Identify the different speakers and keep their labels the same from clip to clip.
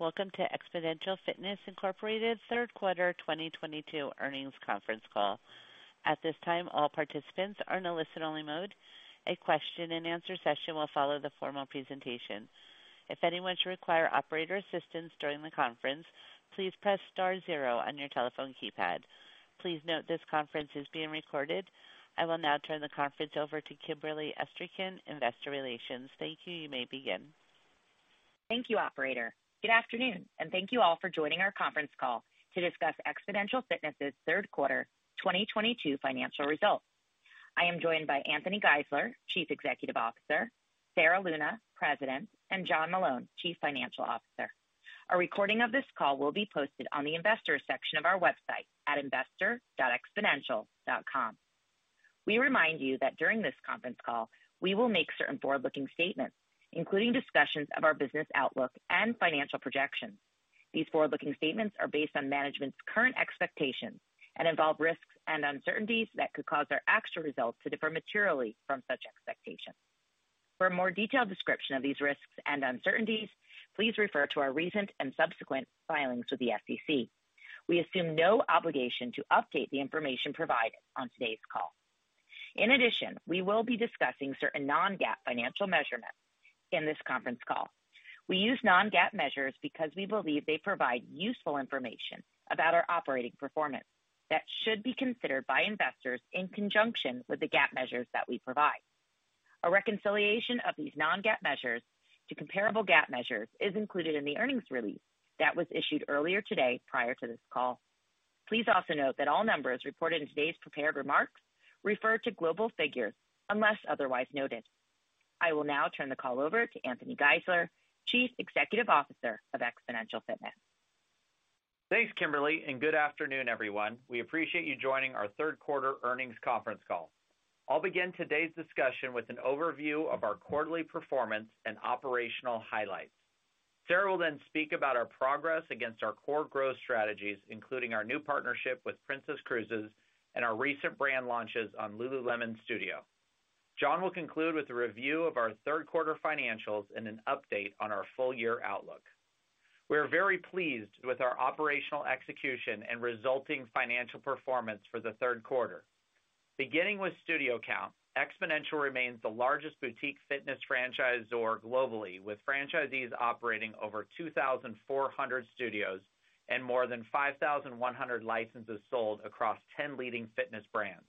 Speaker 1: Welcome to Xponential Fitness Incorporated third quarter 2022 earnings conference call. At this time, all participants are in a listen-only mode. A question-and-answer session will follow the formal presentation. If anyone should require operator assistance during the conference, please press star zero on your telephone keypad. Please note this conference is being recorded. I will now turn the conference over to Kimberly Esterkin, Investor Relations. Thank you. You may begin.
Speaker 2: Thank you, operator. Good afternoon, and thank you all for joining our conference call to discuss Xponential Fitness' third quarter 2022 financial results. I am joined by Anthony Geisler, Chief Executive Officer, Sarah Luna, President, and John Meloun, Chief Financial Officer. A recording of this call will be posted on the investors section of our website at investor.xponential.com. We remind you that during this conference call, we will make certain forward-looking statements, including discussions of our business outlook and financial projections. These forward-looking statements are based on management's current expectations and involve risks and uncertainties that could cause our actual results to differ materially from such expectations. For a more detailed description of these risks and uncertainties, please refer to our recent and subsequent filings with the SEC. We assume no obligation to update the information provided on today's call. In addition, we will be discussing certain non-GAAP financial measurements in this conference call. We use non-GAAP measures because we believe they provide useful information about our operating performance that should be considered by investors in conjunction with the GAAP measures that we provide. A reconciliation of these non-GAAP measures to comparable GAAP measures is included in the earnings release that was issued earlier today prior to this call. Please also note that all numbers reported in today's prepared remarks refer to global figures unless otherwise noted. I will now turn the call over to Anthony Geisler, Chief Executive Officer of Xponential Fitness.
Speaker 3: Thanks, Kimberly, and good afternoon, everyone. We appreciate you joining our third quarter earnings conference call. I'll begin today's discussion with an overview of our quarterly performance and operational highlights. Sarah will then speak about our progress against our core growth strategies, including our new partnership with Princess Cruises and our recent brand launches on lululemon Studio. John will conclude with a review of our third quarter financials and an update on our full-year outlook. We are very pleased with our operational execution and resulting financial performance for the third quarter. Beginning with studio count, Xponential remains the largest boutique fitness franchisor globally, with franchisees operating over 2,400 studios and more than 5,100 licenses sold across 10 leading fitness brands.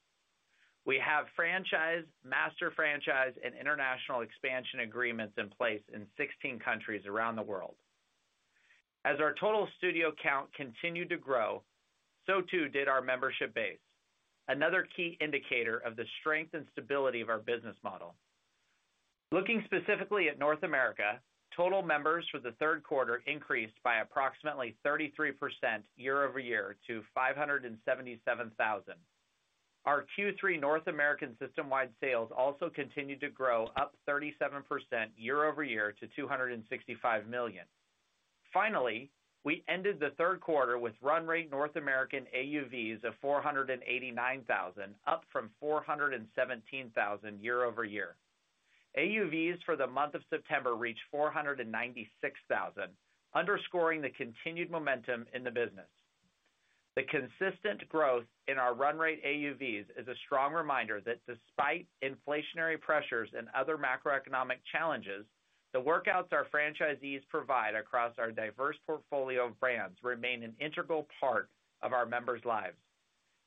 Speaker 3: We have franchise, master franchise, and international expansion agreements in place in 16 countries around the world. As our total studio count continued to grow, so too did our membership base, another key indicator of the strength and stability of our business model. Looking specifically at North America, total members for the third quarter increased by approximately 33% year-over-year to 577,000. Our Q3 North American system-wide sales also continued to grow up 37% year-over-year to $265 million. Finally, we ended the third quarter with run rate North American AUVs of 489,000, up from 417,000 year-over-year. AUVs for the month of September reached 496,000, underscoring the continued momentum in the business. The consistent growth in our run rate AUVs is a strong reminder that despite inflationary pressures and other macroeconomic challenges, the workouts our franchisees provide across our diverse portfolio of brands remain an integral part of our members' lives.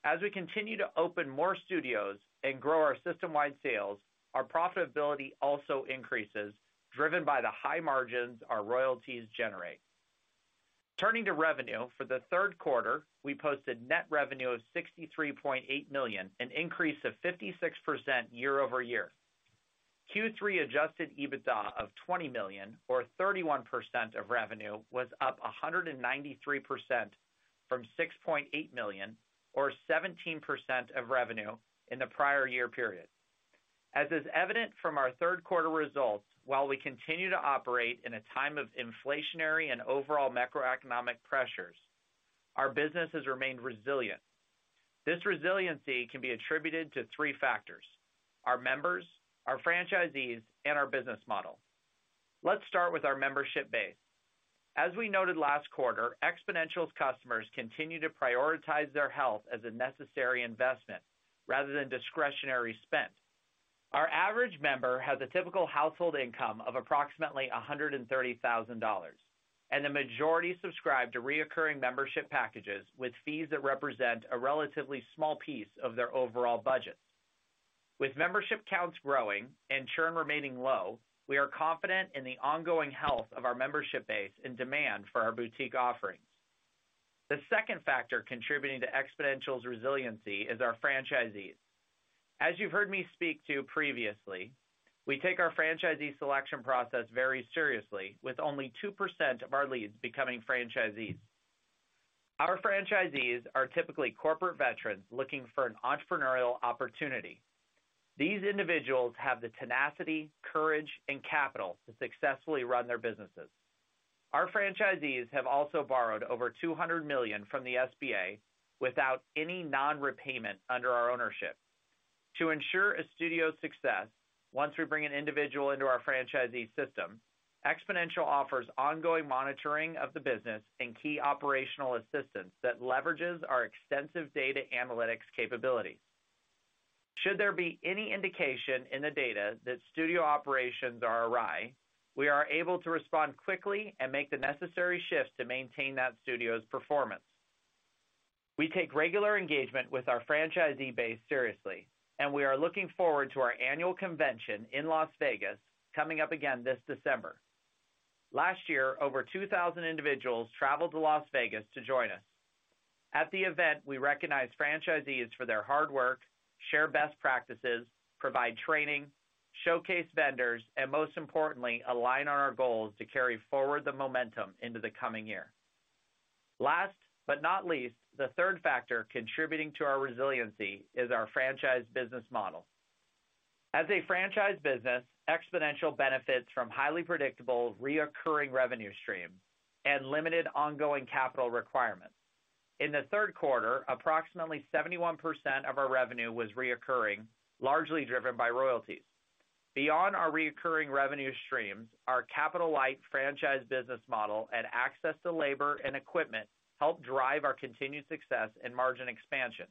Speaker 3: As we continue to open more studios and grow our system-wide sales, our profitability also increases, driven by the high margins our royalties generate. Turning to revenue, for the third quarter, we posted net revenue of $63.8 million, an increase of 56% year-over-year. Q3 adjusted EBITDA of $20 million or 31% of revenue was up 193% from $6.8 million or 17% of revenue in the prior year period. As is evident from our third quarter results, while we continue to operate in a time of inflationary and overall macroeconomic pressures, our business has remained resilient. This resiliency can be attributed to three factors, our members, our franchisees, and our business model. Let's start with our membership base. As we noted last quarter, Xponential's customers continue to prioritize their health as a necessary investment rather than discretionary spend. Our average member has a typical household income of approximately $130,000, and the majority subscribe to recurring membership packages with fees that represent a relatively small piece of their overall budget. With membership counts growing and churn remaining low, we are confident in the ongoing health of our membership base and demand for our boutique offerings. The second factor contributing to Xponential's resiliency is our franchisees. As you've heard me speak to previously, we take our franchisee selection process very seriously, with only 2% of our leads becoming franchisees. Our franchisees are typically corporate veterans looking for an entrepreneurial opportunity. These individuals have the tenacity, courage, and capital to successfully run their businesses. Our franchisees have also borrowed over $200 million from the SBA without any non-repayment under our ownership. To ensure a studio's success, once we bring an individual into our franchisee system, Xponential offers ongoing monitoring of the business and key operational assistance that leverages our extensive data analytics capability. Should there be any indication in the data that studio operations are awry, we are able to respond quickly and make the necessary shifts to maintain that studio's performance. We take regular engagement with our franchisee base seriously, and we are looking forward to our annual convention in Las Vegas coming up again this December. Last year, over 2,000 individuals traveled to Las Vegas to join us. At the event, we recognize franchisees for their hard work, share best practices, provide training, showcase vendors, and most importantly, align on our goals to carry forward the momentum into the coming year. Last but not least, the third factor contributing to our resiliency is our franchise business model. As a franchise business, Xponential benefits from highly predictable recurring revenue stream and limited ongoing capital requirements. In the third quarter, approximately 71% of our revenue was recurring, largely driven by royalties. Beyond our recurring revenue streams, our capital-light franchise business model and access to labor and equipment help drive our continued success and margin expansion.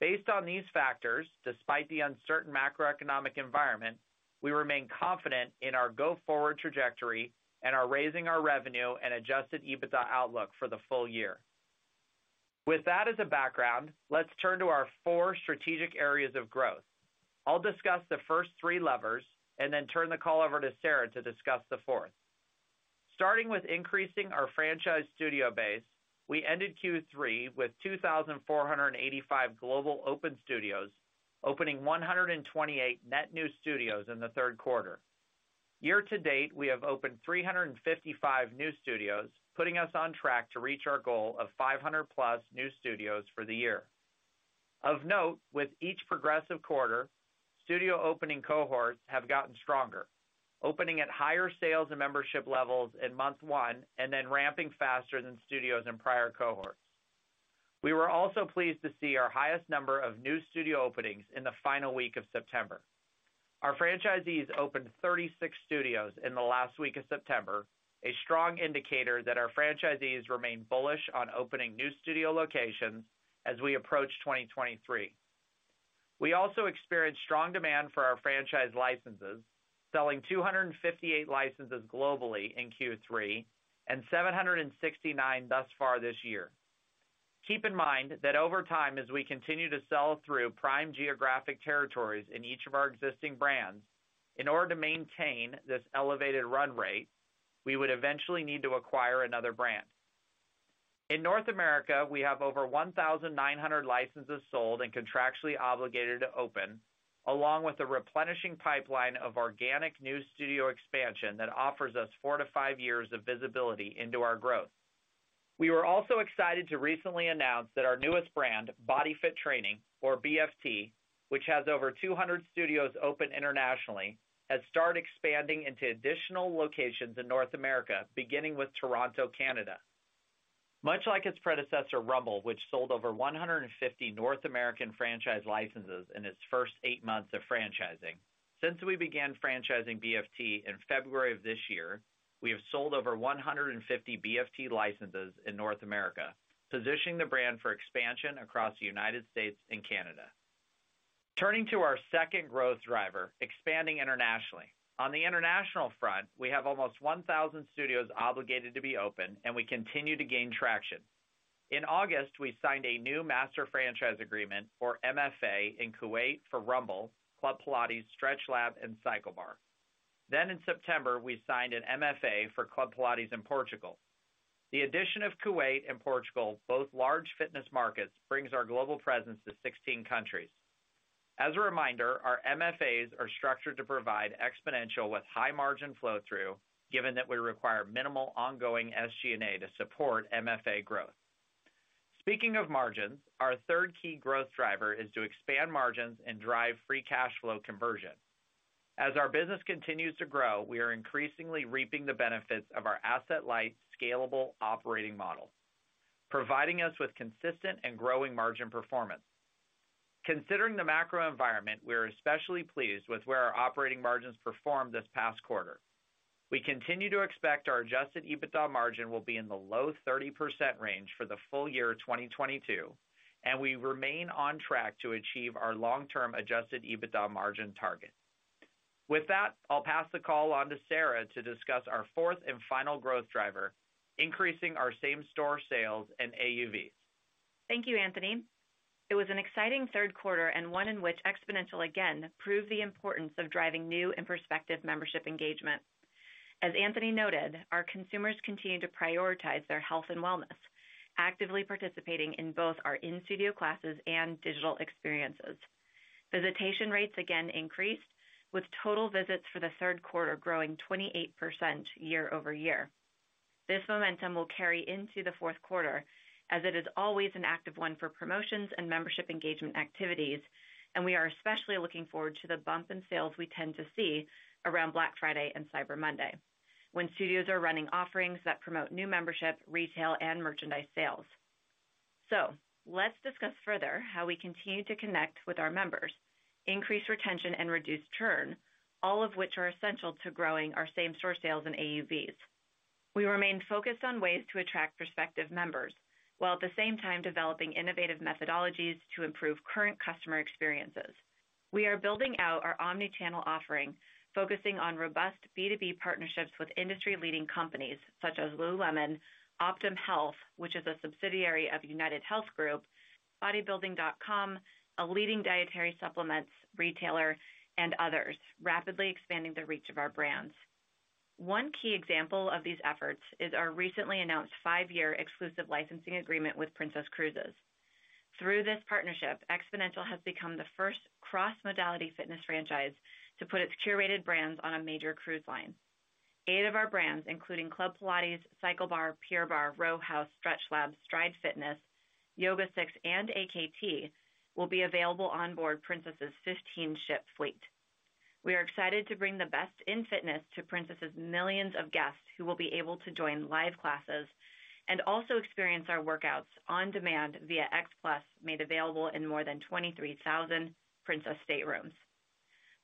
Speaker 3: Based on these factors, despite the uncertain macroeconomic environment, we remain confident in our go-forward trajectory and are raising our revenue and adjusted EBITDA outlook for the full year. With that as a background, let's turn to our four strategic areas of growth. I'll discuss the first three levers and then turn the call over to Sarah to discuss the fourth. Starting with increasing our franchise studio base, we ended Q3 with 2,485 global open studios, opening 128 net new studios in the third quarter. Year-to-date, we have opened 355 new studios, putting us on track to reach our goal of 500+ new studios for the year. Of note, with each progressive quarter, studio opening cohorts have gotten stronger, opening at higher sales and membership levels in month one and then ramping faster than studios in prior cohorts. We were also pleased to see our highest number of new studio openings in the final week of September. Our franchisees opened 36 studios in the last week of September, a strong indicator that our franchisees remain bullish on opening new studio locations as we approach 2023. We also experienced strong demand for our franchise licenses, selling 258 licenses globally in Q3 and 769 thus far this year. Keep in mind that over time, as we continue to sell through prime geographic territories in each of our existing brands, in order to maintain this elevated run rate, we would eventually need to acquire another brand. In North America, we have over 1,900 licenses sold and contractually obligated to open, along with a replenishing pipeline of organic new studio expansion that offers us 4-5 years of visibility into our growth. We were also excited to recently announce that our newest brand, Body Fit Training or BFT, which has over 200 studios open internationally, has started expanding into additional locations in North America, beginning with Toronto, Canada. Much like its predecessor, Rumble, which sold over 150 North American franchise licenses in its first eight months of franchising, since we began franchising BFT in February of this year, we have sold over 150 BFT licenses in North America, positioning the brand for expansion across the United States and Canada. Turning to our second growth driver, expanding internationally. On the international front, we have almost 1,000 studios obligated to be open, and we continue to gain traction. In August, we signed a new master franchise agreement or MFA in Kuwait for Rumble, Club Pilates, StretchLab, and CycleBar. In September, we signed an MFA for Club Pilates in Portugal. The addition of Kuwait and Portugal, both large fitness markets, brings our global presence to 16 countries. As a reminder, our MFAs are structured to provide Xponential with high-margin flow-through, given that we require minimal ongoing SG&A to support MFA growth. Speaking of margins, our third key growth driver is to expand margins and drive free cash flow conversion. As our business continues to grow, we are increasingly reaping the benefits of our asset-light, scalable operating model, providing us with consistent and growing margin performance. Considering the macro environment, we are especially pleased with where our operating margins performed this past quarter. We continue to expect our adjusted EBITDA margin will be in the low 30% range for the full year 2022, and we remain on track to achieve our long-term adjusted EBITDA margin target. With that, I'll pass the call on to Sarah to discuss our fourth and final growth driver, increasing our same-store sales and AUVs.
Speaker 4: Thank you, Anthony. It was an exciting third quarter and one in which Xponential again proved the importance of driving new and prospective membership engagement. As Anthony noted, our consumers continue to prioritize their health and wellness, actively participating in both our in-studio classes and digital experiences. Visitation rates again increased, with total visits for the third quarter growing 28% year-over-year. This momentum will carry into the fourth quarter, as it is always an active one for promotions and membership engagement activities, and we are especially looking forward to the bump in sales we tend to see around Black Friday and Cyber Monday. When studios are running offerings that promote new membership, retail, and merchandise sales. Let's discuss further how we continue to connect with our members, increase retention, and reduce churn, all of which are essential to growing our same-store sales and AUVs. We remain focused on ways to attract prospective members, while at the same time developing innovative methodologies to improve current customer experiences. We are building out our omni-channel offering, focusing on robust B2B partnerships with industry-leading companies such as lululemon, OptumHealth, which is a subsidiary of UnitedHealth Group, Bodybuilding.com, a leading dietary supplements retailer, and others, rapidly expanding the reach of our brands. One key example of these efforts is our recently announced 5-year exclusive licensing agreement with Princess Cruises. Through this partnership, Xponential has become the first cross-modality fitness franchise to put its curated brands on a major cruise line. Eight of our brands, including Club Pilates, CycleBar, Pure Barre, Row House, StretchLab, Stride, YogaSix, and AKT will be available on board Princess's 15-ship fleet. We are excited to bring the best in fitness to Princess's millions of guests, who will be able to join live classes and also experience our workouts on demand via XPLUS, made available in more than 23,000 Princess staterooms.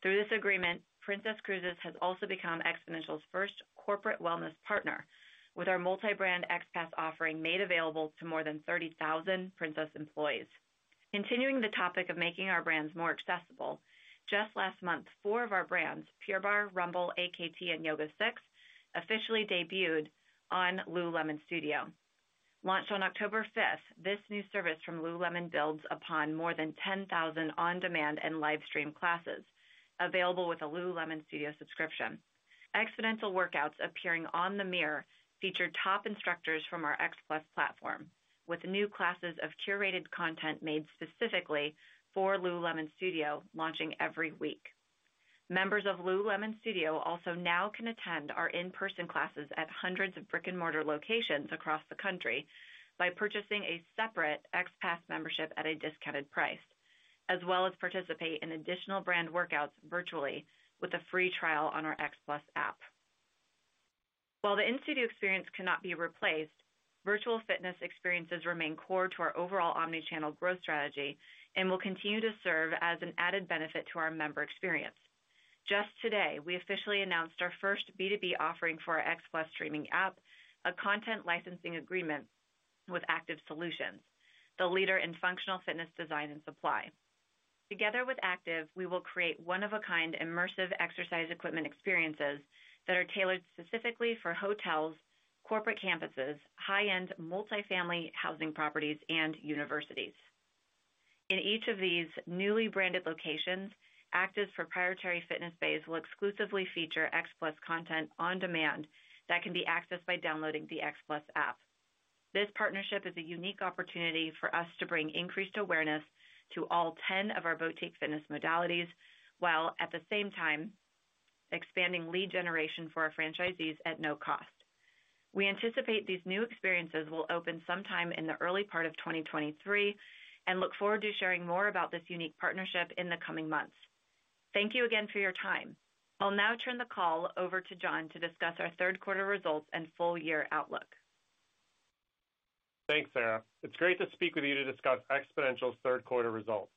Speaker 4: Through this agreement, Princess Cruises has also become Xponential's first corporate wellness partner, with our multi-brand XPASS offering made available to more than 30,000 Princess employees. Continuing the topic of making our brands more accessible, just last month, four of our brands, Pure Barre, Rumble, AKT, and YogaSix, officially debuted on lululemon Studio. Launched on October fifth, this new service from lululemon builds upon more than 10,000 on-demand and live stream classes available with a lululemon Studio subscription. Xponential workouts appearing on the mirror featured top instructors from our XPLUS platform, with new classes of curated content made specifically for lululemon Studio launching every week. Members of lululemon Studio also now can attend our in-person classes at hundreds of brick-and-mortar locations across the country by purchasing a separate XPASS membership at a discounted price, as well as participate in additional brand workouts virtually with a free trial on our XPLUS app. While the in-studio experience cannot be replaced, virtual fitness experiences remain core to our overall omni-channel growth strategy and will continue to serve as an added benefit to our member experience. Just today, we officially announced our first B2B offering for our XPLUS streaming app, a content licensing agreement with Aktiv Solutions, the leader in functional fitness design and supply. Together with Aktiv, we will create one-of-a-kind immersive exercise equipment experiences that are tailored specifically for hotels, corporate campuses, high-end multi-family housing properties, and universities. In each of these newly branded locations, Aktiv's proprietary fitness bays will exclusively feature XPLUS content on demand that can be accessed by downloading the XPLUS app. This partnership is a unique opportunity for us to bring increased awareness to all 10 of our boutique fitness modalities, while at the same time expanding lead generation for our franchisees at no cost. We anticipate these new experiences will open sometime in the early part of 2023 and look forward to sharing more about this unique partnership in the coming months. Thank you again for your time. I'll now turn the call over to John to discuss our third quarter results and full-year outlook.
Speaker 5: Thanks, Sarah. It's great to speak with you to discuss Xponential's third quarter results.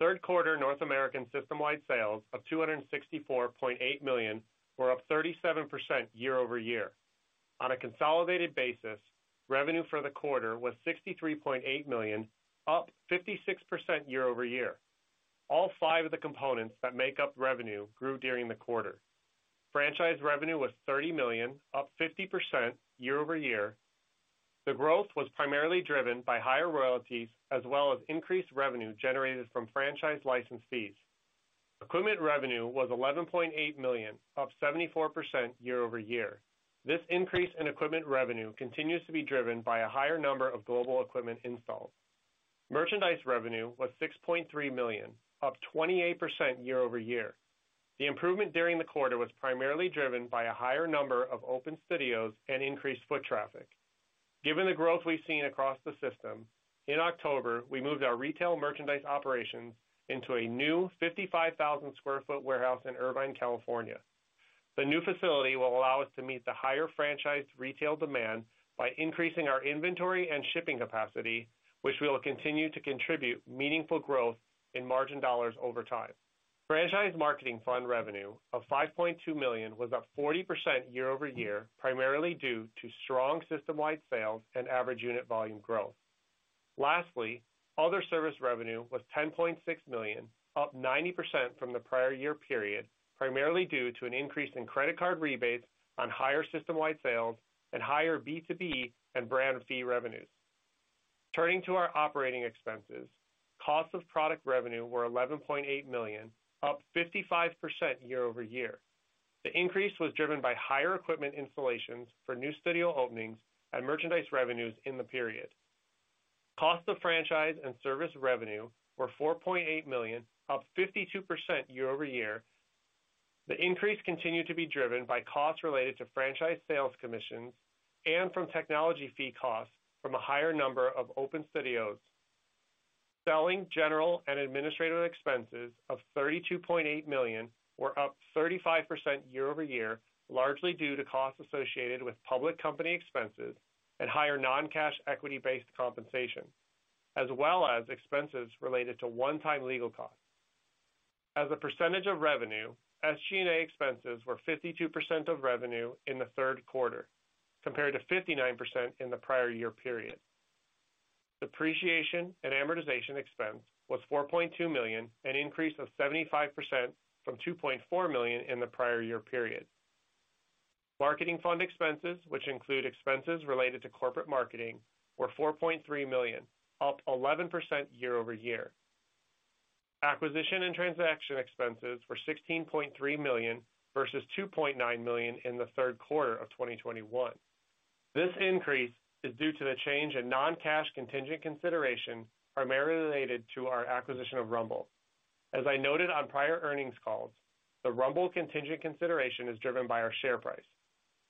Speaker 5: Third quarter North American system-wide sales of $264.8 million were up 37% year-over-year. On a consolidated basis, revenue for the quarter was $63.8 million, up 56% year-over-year. All five of the components that make up revenue grew during the quarter. Franchise revenue was $30 million, up 50% year-over-year. The growth was primarily driven by higher royalties as well as increased revenue generated from franchise license fees. Equipment revenue was $11.8 million, up 74% year-over-year. This increase in equipment revenue continues to be driven by a higher number of global equipment installs. Merchandise revenue was $6.3 million, up 28% year-over-year. The improvement during the quarter was primarily driven by a higher number of open studios and increased foot traffic. Given the growth we've seen across the system, in October, we moved our retail merchandise operations into a new 55,000 sq ft warehouse in Irvine, California. The new facility will allow us to meet the higher franchised retail demand by increasing our inventory and shipping capacity, which will continue to contribute meaningful growth in margin dollars over time. Franchise marketing fund revenue of $5.2 million was up 40% year-over-year, primarily due to strong system-wide sales and average unit volume growth. Lastly, other service revenue was $10.6 million, up 90% from the prior year period, primarily due to an increase in credit card rebates on higher system-wide sales and higher B2B and brand fee revenues. Turning to our operating expenses, cost of product revenue were $11.8 million, up 55% year-over-year. The increase was driven by higher equipment installations for new studio openings and merchandise revenues in the period. Cost of franchise and service revenue were $4.8 million, up 52% year-over-year. The increase continued to be driven by costs related to franchise sales commissions and from technology fee costs from a higher number of open studios. Selling general and administrative expenses of $32.8 million were up 35% year-over-year, largely due to costs associated with public company expenses and higher non-cash equity-based compensation, as well as expenses related to one-time legal costs. As a percentage of revenue, SG&A expenses were 52% of revenue in the third quarter, compared to 59% in the prior year period. Depreciation and amortization expense was $4.2 million, an increase of 75% from $2.4 million in the prior year period. Marketing fund expenses, which include expenses related to corporate marketing, were $4.3 million, up 11% year-over-year. Acquisition and transaction expenses were $16.3 million versus $2.9 million in the third quarter of 2021. This increase is due to the change in non-cash contingent consideration, primarily related to our acquisition of Rumble. As I noted on prior earnings calls, the Rumble contingent consideration is driven by our share price.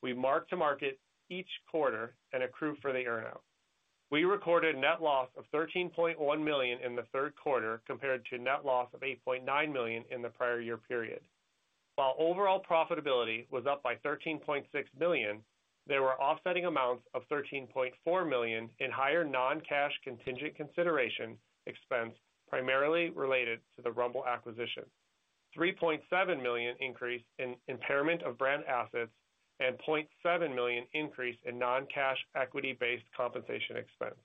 Speaker 5: We mark to market each quarter and accrue for the earn-out. We recorded net loss of $13.1 million in the third quarter compared to net loss of $8.9 million in the prior year period. While overall profitability was up by $13.6 million, there were offsetting amounts of $13.4 million in higher non-cash contingent consideration expense, primarily related to the Rumble acquisition, $3.7 million increase in impairment of brand assets, and $0.7 million increase in non-cash equity-based compensation expense.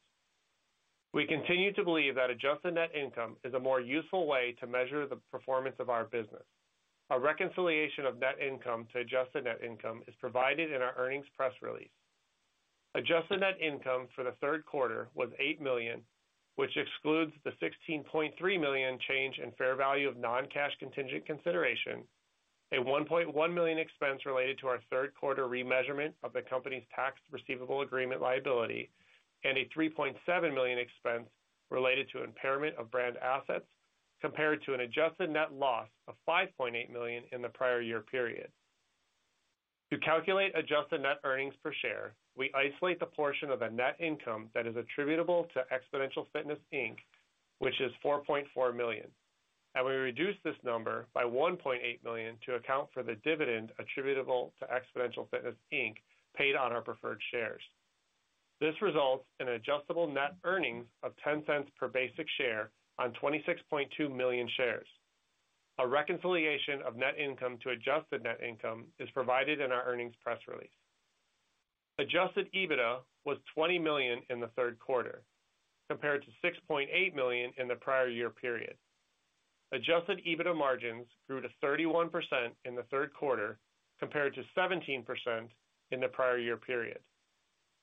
Speaker 5: We continue to believe that adjusted net income is a more useful way to measure the performance of our business. A reconciliation of net income to adjusted net income is provided in our earnings press release. Adjusted net income for the third quarter was $8 million, which excludes the $16.3 million change in fair value of non-cash contingent consideration, a $1.1 million expense related to our third quarter remeasurement of the company's Tax Receivable Agreement liability, and a $3.7 million expense related to impairment of brand assets, compared to an adjusted net loss of $5.8 million in the prior year period. To calculate adjusted net earnings per share, we isolate the portion of the net income that is attributable to Xponential Fitness, Inc., which is $4.4 million, and we reduce this number by $1.8 million to account for the dividend attributable to Xponential Fitness, Inc. paid on our preferred shares. This results in adjusted net earnings of $0.10 per basic share on 26.2 million shares. A reconciliation of net income to adjusted net income is provided in our earnings press release. Adjusted EBITDA was $20 million in the third quarter, compared to $6.8 million in the prior year period. Adjusted EBITDA margins grew to 31% in the third quarter, compared to 17% in the prior year period.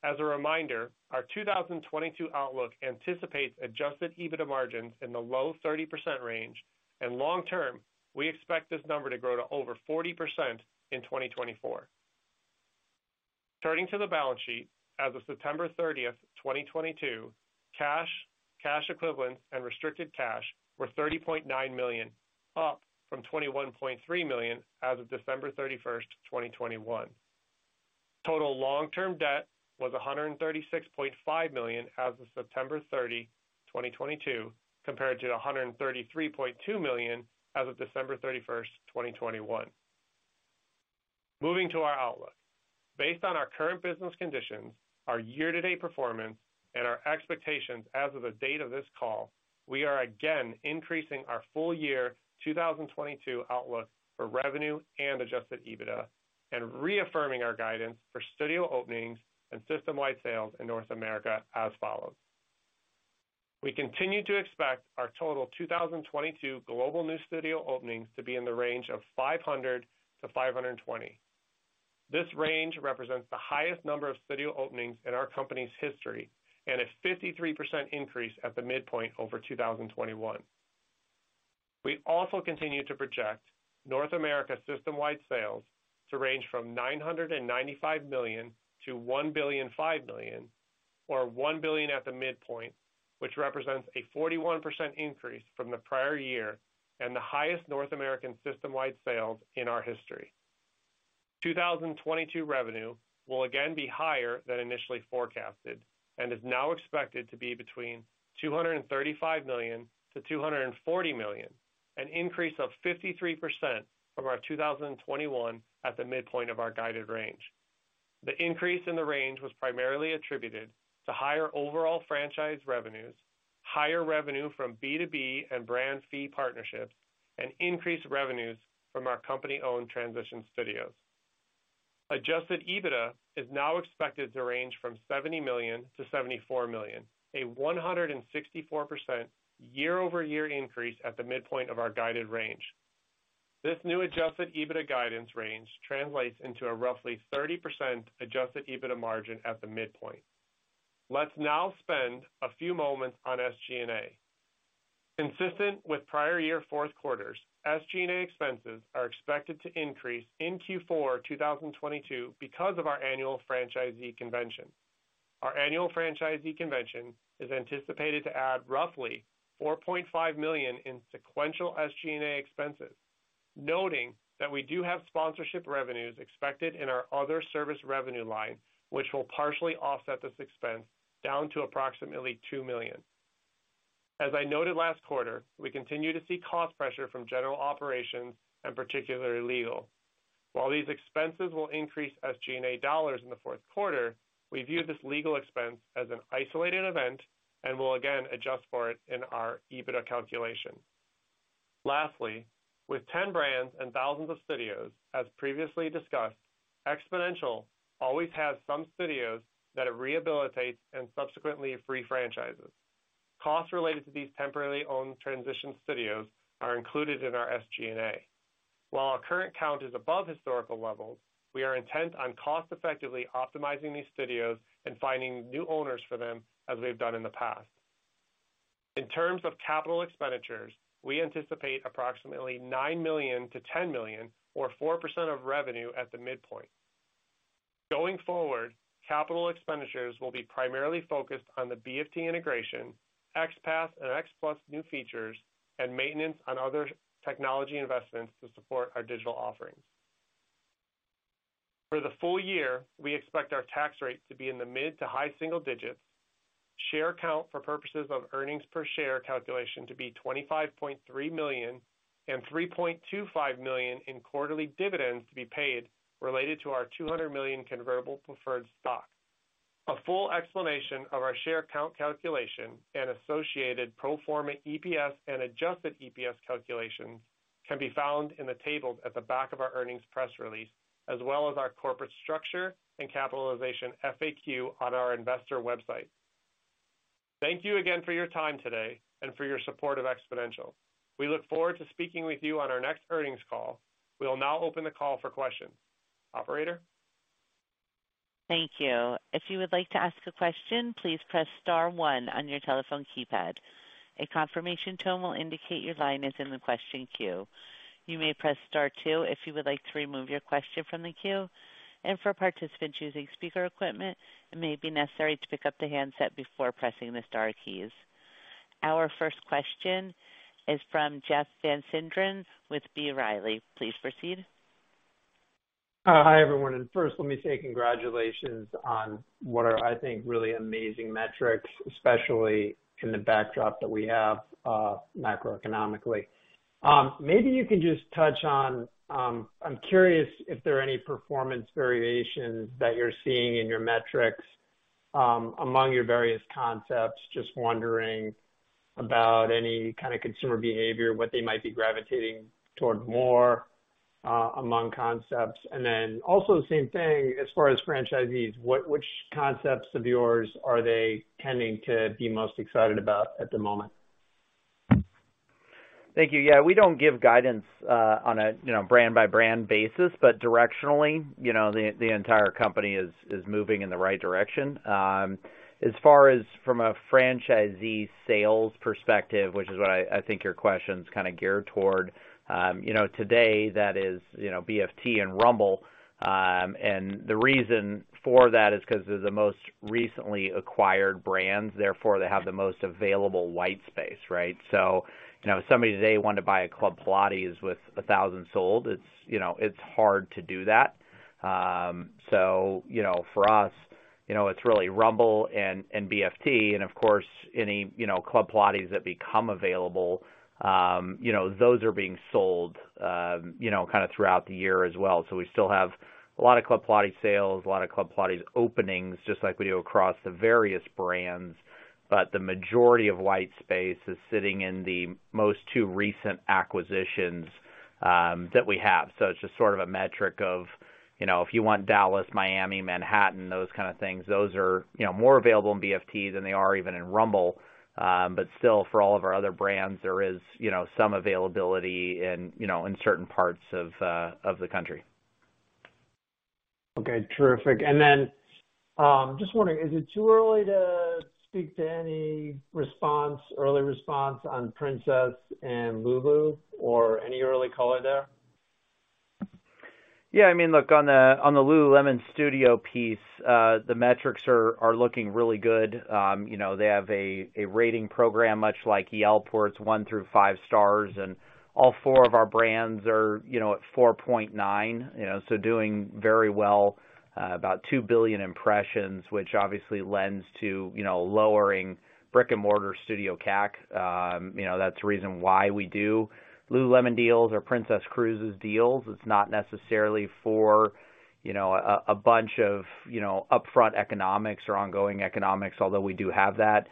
Speaker 5: As a reminder, our 2022 outlook anticipates adjusted EBITDA margins in the low 30% range, and long term, we expect this number to grow to over 40% in 2024. Turning to the balance sheet, as of September 30, 2022, cash equivalents, and restricted cash were $30.9 million, up from $21.3 million as of December 31, 2021. Total long-term debt was $136.5 million as of September 30, 2022, compared to $133.2 million as of December 31, 2021. Moving to our outlook. Based on our current business conditions, our year-to-date performance, and our expectations as of the date of this call, we are again increasing our full year 2022 outlook for revenue and adjusted EBITDA and reaffirming our guidance for studio openings and system-wide sales in North America as follows. We continue to expect our total 2022 global new studio openings to be in the range of 500-520. This range represents the highest number of studio openings in our company's history and a 53% increase at the midpoint over 2021. We also continue to project North America system-wide sales to range from $995 million-$1.005 billion or $1 billion at the midpoint, which represents a 41% increase from the prior year and the highest North American system-wide sales in our history. 2022 revenue will again be higher than initially forecasted and is now expected to be between $235 million-$240 million, an increase of 53% from our 2021 at the midpoint of our guided range. The increase in the range was primarily attributed to higher overall franchise revenues, higher revenue from B2B and brand fee partnerships, and increased revenues from our company-owned transition studios. Adjusted EBITDA is now expected to range from $70 million-$74 million, a 164% year-over-year increase at the midpoint of our guided range. This new adjusted EBITDA guidance range translates into a roughly 30% adjusted EBITDA margin at the midpoint. Let's now spend a few moments on SG&A. Consistent with prior year fourth quarters, SG&A expenses are expected to increase in Q4 2022 because of our annual franchisee convention. Our annual franchisee convention is anticipated to add roughly $4.5 million in sequential SG&A expenses. Noting that we do have sponsorship revenues expected in our other service revenue line, which will partially offset this expense down to approximately $2 million. As I noted last quarter, we continue to see cost pressure from general operations and particularly legal. While these expenses will increase SG&A dollars in the fourth quarter, we view this legal expense as an isolated event and will again adjust for it in our EBITDA calculation. Lastly, with 10 brands and thousands of studios, as previously discussed, Xponential always has some studios that it rehabilitates and subsequently re-franchises. Costs related to these temporarily owned transition studios are included in our SG&A. While our current count is above historical levels, we are intent on cost-effectively optimizing these studios and finding new owners for them as we've done in the past.
Speaker 6: In terms of capital expenditures, we anticipate approximately $9 million-$10 million or 4% of revenue at the midpoint. Going forward, capital expenditures will be primarily focused on the BFT integration, XPASS and XPLUS new features, and maintenance on other technology investments to support our digital offerings. For the full year, we expect our tax rate to be in the mid to high single digits. Share count for purposes of earnings per share calculation to be 25.3 million and $3.25 million in quarterly dividends to be paid related to our $200 million convertible preferred stock. A full explanation of our share count calculation and associated pro forma EPS and adjusted EPS calculations can be found in the tables at the back of our earnings press release, as well as our corporate structure and capitalization FAQ on our investor website.
Speaker 5: Thank you again for your time today and for your support of Xponential. We look forward to speaking with you on our next earnings call. We will now open the call for questions. Operator?
Speaker 1: Thank you. If you would like to ask a question, please press star one on your telephone keypad. A confirmation tone will indicate your line is in the question queue. You may press star two if you would like to remove your question from the queue. For participants using speaker equipment, it may be necessary to pick up the handset before pressing the star keys. Our first question is from Jeff Van Sinderen with B. Riley. Please proceed.
Speaker 7: Hi, everyone. First, let me say congratulations on what are, I think, really amazing metrics, especially in the backdrop that we have, macroeconomically. Maybe you can just touch on, I'm curious if there are any performance variations that you're seeing in your metrics, among your various concepts, just wondering about any kind of consumer behavior, what they might be gravitating towards more, among concepts. Then also the same thing as far as franchisees, which concepts of yours are they tending to be most excited about at the moment?
Speaker 3: Thank you. Yeah, we don't give guidance on a, you know, brand-by-brand basis, but directionally, you know, the entire company is moving in the right direction. As far as from a franchisee sales perspective, which is what I think your question's kind of geared toward, you know, today that is, you know, BFT and Rumble. The reason for that is 'cause they're the most recently acquired brands, therefore they have the most available white space, right? You know, if somebody today wanted to buy a Club Pilates with 1,000 sold, it's, you know, it's hard to do that. You know, for us, you know, it's really Rumble and BFT and of course, any, you know, Club Pilates that become available, you know, those are being sold, you know, kind of throughout the year as well. We still have a lot of Club Pilates sales, a lot of Club Pilates openings, just like we do across the various brands. The majority of white space is sitting in the two most recent acquisitions that we have. It's just sort of a metric of, you know, if you want Dallas, Miami, Manhattan, those kind of things, those are, you know, more available in BFT than they are even in Rumble. But still, for all of our other brands, there is, you know, some availability in, you know, in certain parts of the country.
Speaker 7: Okay, terrific. Just wondering, is it too early to speak to any response, early response on Princess and lululemon or any early color there?
Speaker 3: Yeah, I mean, look, on the lululemon Studio piece, the metrics are looking really good. You know, they have a rating program, much like Yelp, where it's one through five stars, and all four of our brands are, you know, at 4.9, you know. So doing very well, about 2 billion impressions, which obviously lends to, you know, lowering brick-and-mortar studio CAC. You know, that's the reason why we do lululemon deals or Princess Cruises deals. It's not necessarily for, you know, a bunch of, you know, upfront economics or ongoing economics, although we do have that.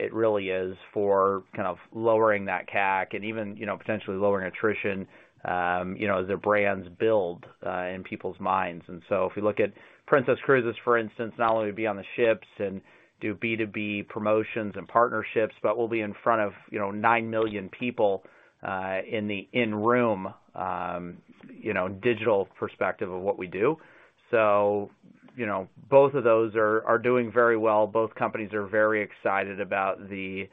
Speaker 3: It really is for kind of lowering that CAC and even, you know, potentially lowering attrition, you know, as the brands build in people's minds. If you look at Princess Cruises, for instance, not only are we on the ships and do B2B promotions and partnerships, but we'll be in front of, you know, 9 million people in the in-room, you know, digital perspective of what we do. You know, both of those are doing very well. Both companies are very excited about the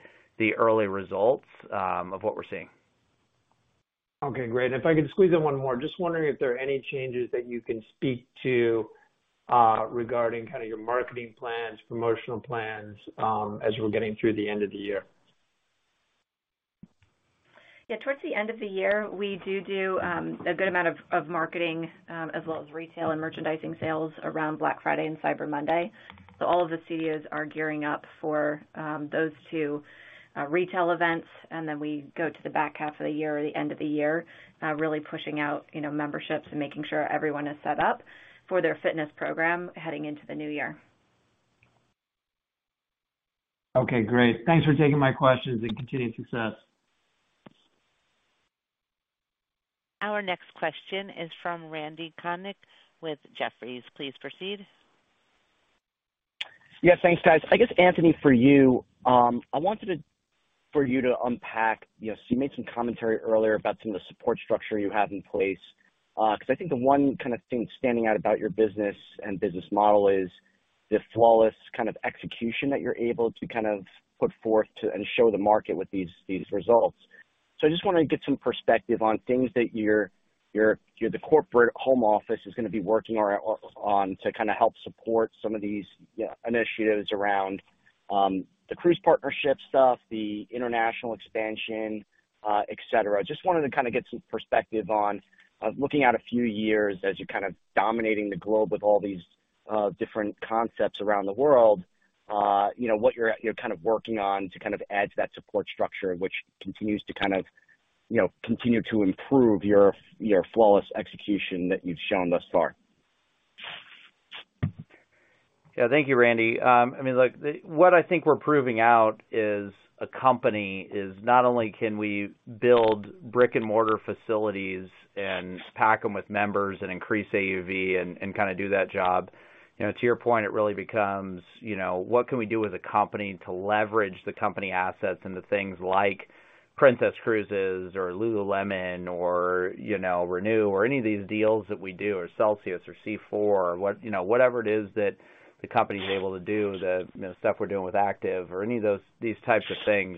Speaker 3: early results of what we're seeing.
Speaker 7: Okay, great. If I could squeeze in one more, just wondering if there are any changes that you can speak to?
Speaker 8: Regarding kind of your marketing plans, promotional plans, as we're getting through the end of the year.
Speaker 4: Yeah, towards the end of the year, we do a good amount of marketing as well as retail and merchandising sales around Black Friday and Cyber Monday. All of the studios are gearing up for those two retail events, and then we go to the back half of the year or the end of the year really pushing out, you know, memberships and making sure everyone is set up for their fitness program heading into the new year.
Speaker 8: Okay, great. Thanks for taking my questions and continued success.
Speaker 1: Our next question is from Randy Konik with Jefferies. Please proceed.
Speaker 6: Yeah, thanks, guys. I guess, Anthony, for you, I wanted for you to unpack, you know, so you made some commentary earlier about some of the support structure you have in place, 'cause I think the one kind of thing standing out about your business and business model is the flawless kind of execution that you're able to kind of put forth to and show the market with these results. I just wanted to get some perspective on things that your corporate home office is gonna be working on to kinda help support some of these, you know, initiatives around the cruise partnership stuff, the international expansion, et cetera. Just wanted to kinda get some perspective on looking out a few years as you're kind of dominating the globe with all these different concepts around the world, you know, what you're kind of working on to kind of add to that support structure, which continues to kind of, you know, continue to improve your flawless execution that you've shown thus far.
Speaker 3: Yeah. Thank you, Randy. I mean, look, what I think we're proving out is a company is not only can we build brick-and-mortar facilities and pack them with members and increase AUV and kinda do that job. You know, to your point, it really becomes, you know, what can we do as a company to leverage the company assets into things like Princess Cruises or lululemon or, you know, Renu or any of these deals that we do, or Celsius or C4 or what, you know, whatever it is that the company is able to do, the, you know, stuff we're doing with Aktiv or any of those, these types of things.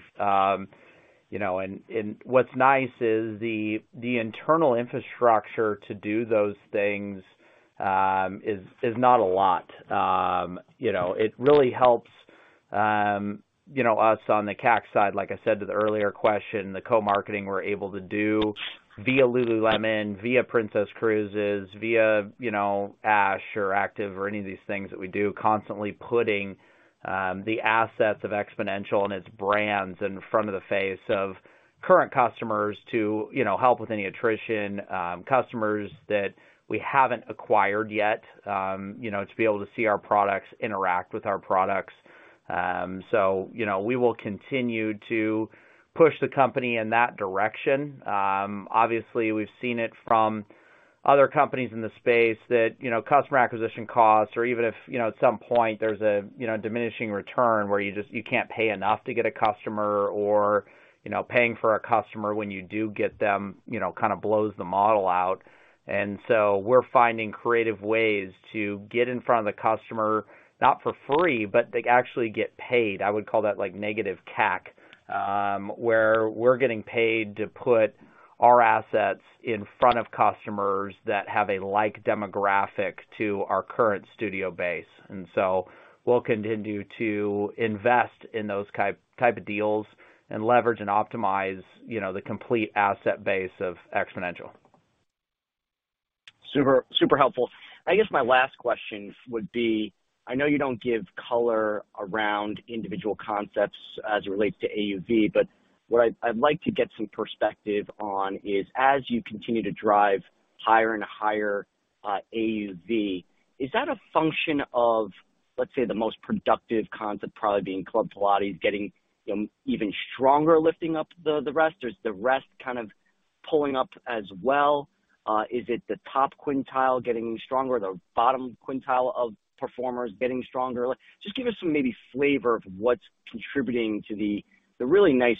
Speaker 3: You know, and what's nice is the internal infrastructure to do those things is not a lot. You know, it really helps, you know, us on the CAC side, like I said to the earlier question, the co-marketing we're able to do via lululemon, via Princess Cruises, via, you know, Aktiv or any of these things that we do, constantly putting the assets of Xponential and its brands in front of the face of current customers to, you know, help with any attrition, customers that we haven't acquired yet, you know, to be able to see our products, interact with our products. You know, we will continue to push the company in that direction. Obviously, we've seen it from other companies in the space that, you know, customer acquisition costs or even if, you know, at some point there's a, you know, diminishing return where you can't pay enough to get a customer or, you know, paying for a customer when you do get them, you know, kind of blows the model out. We're finding creative ways to get in front of the customer, not for free, but they actually get paid. I would call that like negative CAC, where we're getting paid to put our assets in front of customers that have a like demographic to our current studio base. We'll continue to invest in those type of deals and leverage and optimize, you know, the complete asset base of Xponential.
Speaker 6: Super, super helpful. I guess my last question would be, I know you don't give color around individual concepts as it relates to AUV, but what I'd like to get some perspective on is, as you continue to drive higher and higher AUV, is that a function of, let's say, the most productive concept, probably being Club Pilates, getting even stronger, lifting up the rest? Or is the rest kind of pulling up as well? Is it the top quintile getting stronger, the bottom quintile of performers getting stronger? Just give us some maybe flavor of what's contributing to the really nice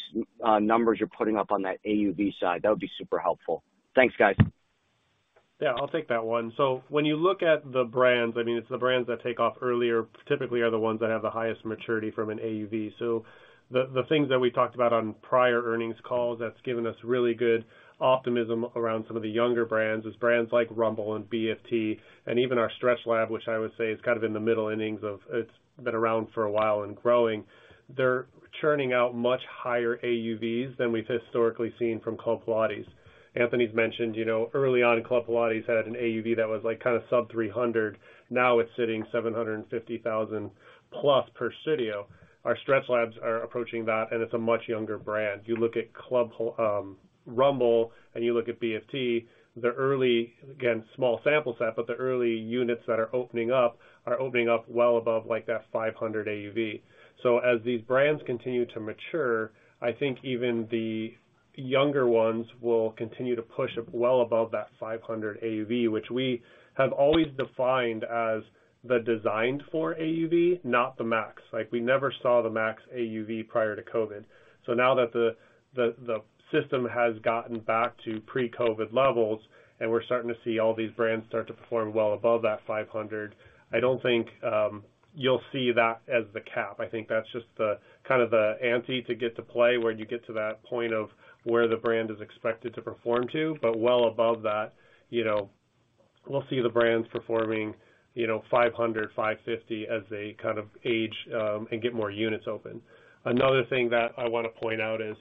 Speaker 6: numbers you're putting up on that AUV side. That would be super helpful. Thanks, guys.
Speaker 5: Yeah. I'll take that one. When you look at the brands, I mean, it's the brands that take off earlier, typically are the ones that have the highest maturity from an AUV. The things that we talked about on prior earnings calls, that's given us really good optimism around some of the younger brands, is brands like Rumble and BFT and even our StretchLab, which I would say is kind of in the middle innings of it's been around for a while and growing. They're churning out much higher AUVs than we've historically seen from Club Pilates. Anthony's mentioned, you know, early on, Club Pilates had an AUV that was, like, kind of sub $300,000. Now it's sitting $750,000+ per studio. Our StretchLabs are approaching that, and it's a much younger brand. You look at Club Pilates, Rumble and you look at BFT, the early, again, small sample set, but the early units that are opening up are opening up well above, like, that 500 AUV. As these brands continue to mature, I think even the younger ones will continue to push up well above that 500 AUV, which we have always defined as the designed for AUV, not the max. Like, we never saw the max AUV prior to COVID. Now that the system has gotten back to pre-COVID levels, and we're starting to see all these brands start to perform well above that 500, I don't think you'll see that as the cap. I think that's just the, kind of the ante to get to play, where you get to that point of where the brand is expected to perform to. Well above that, you know, we'll see the brands performing, you know, 500, 550 as they kind of age, and get more units open. Another thing that I wanna point out is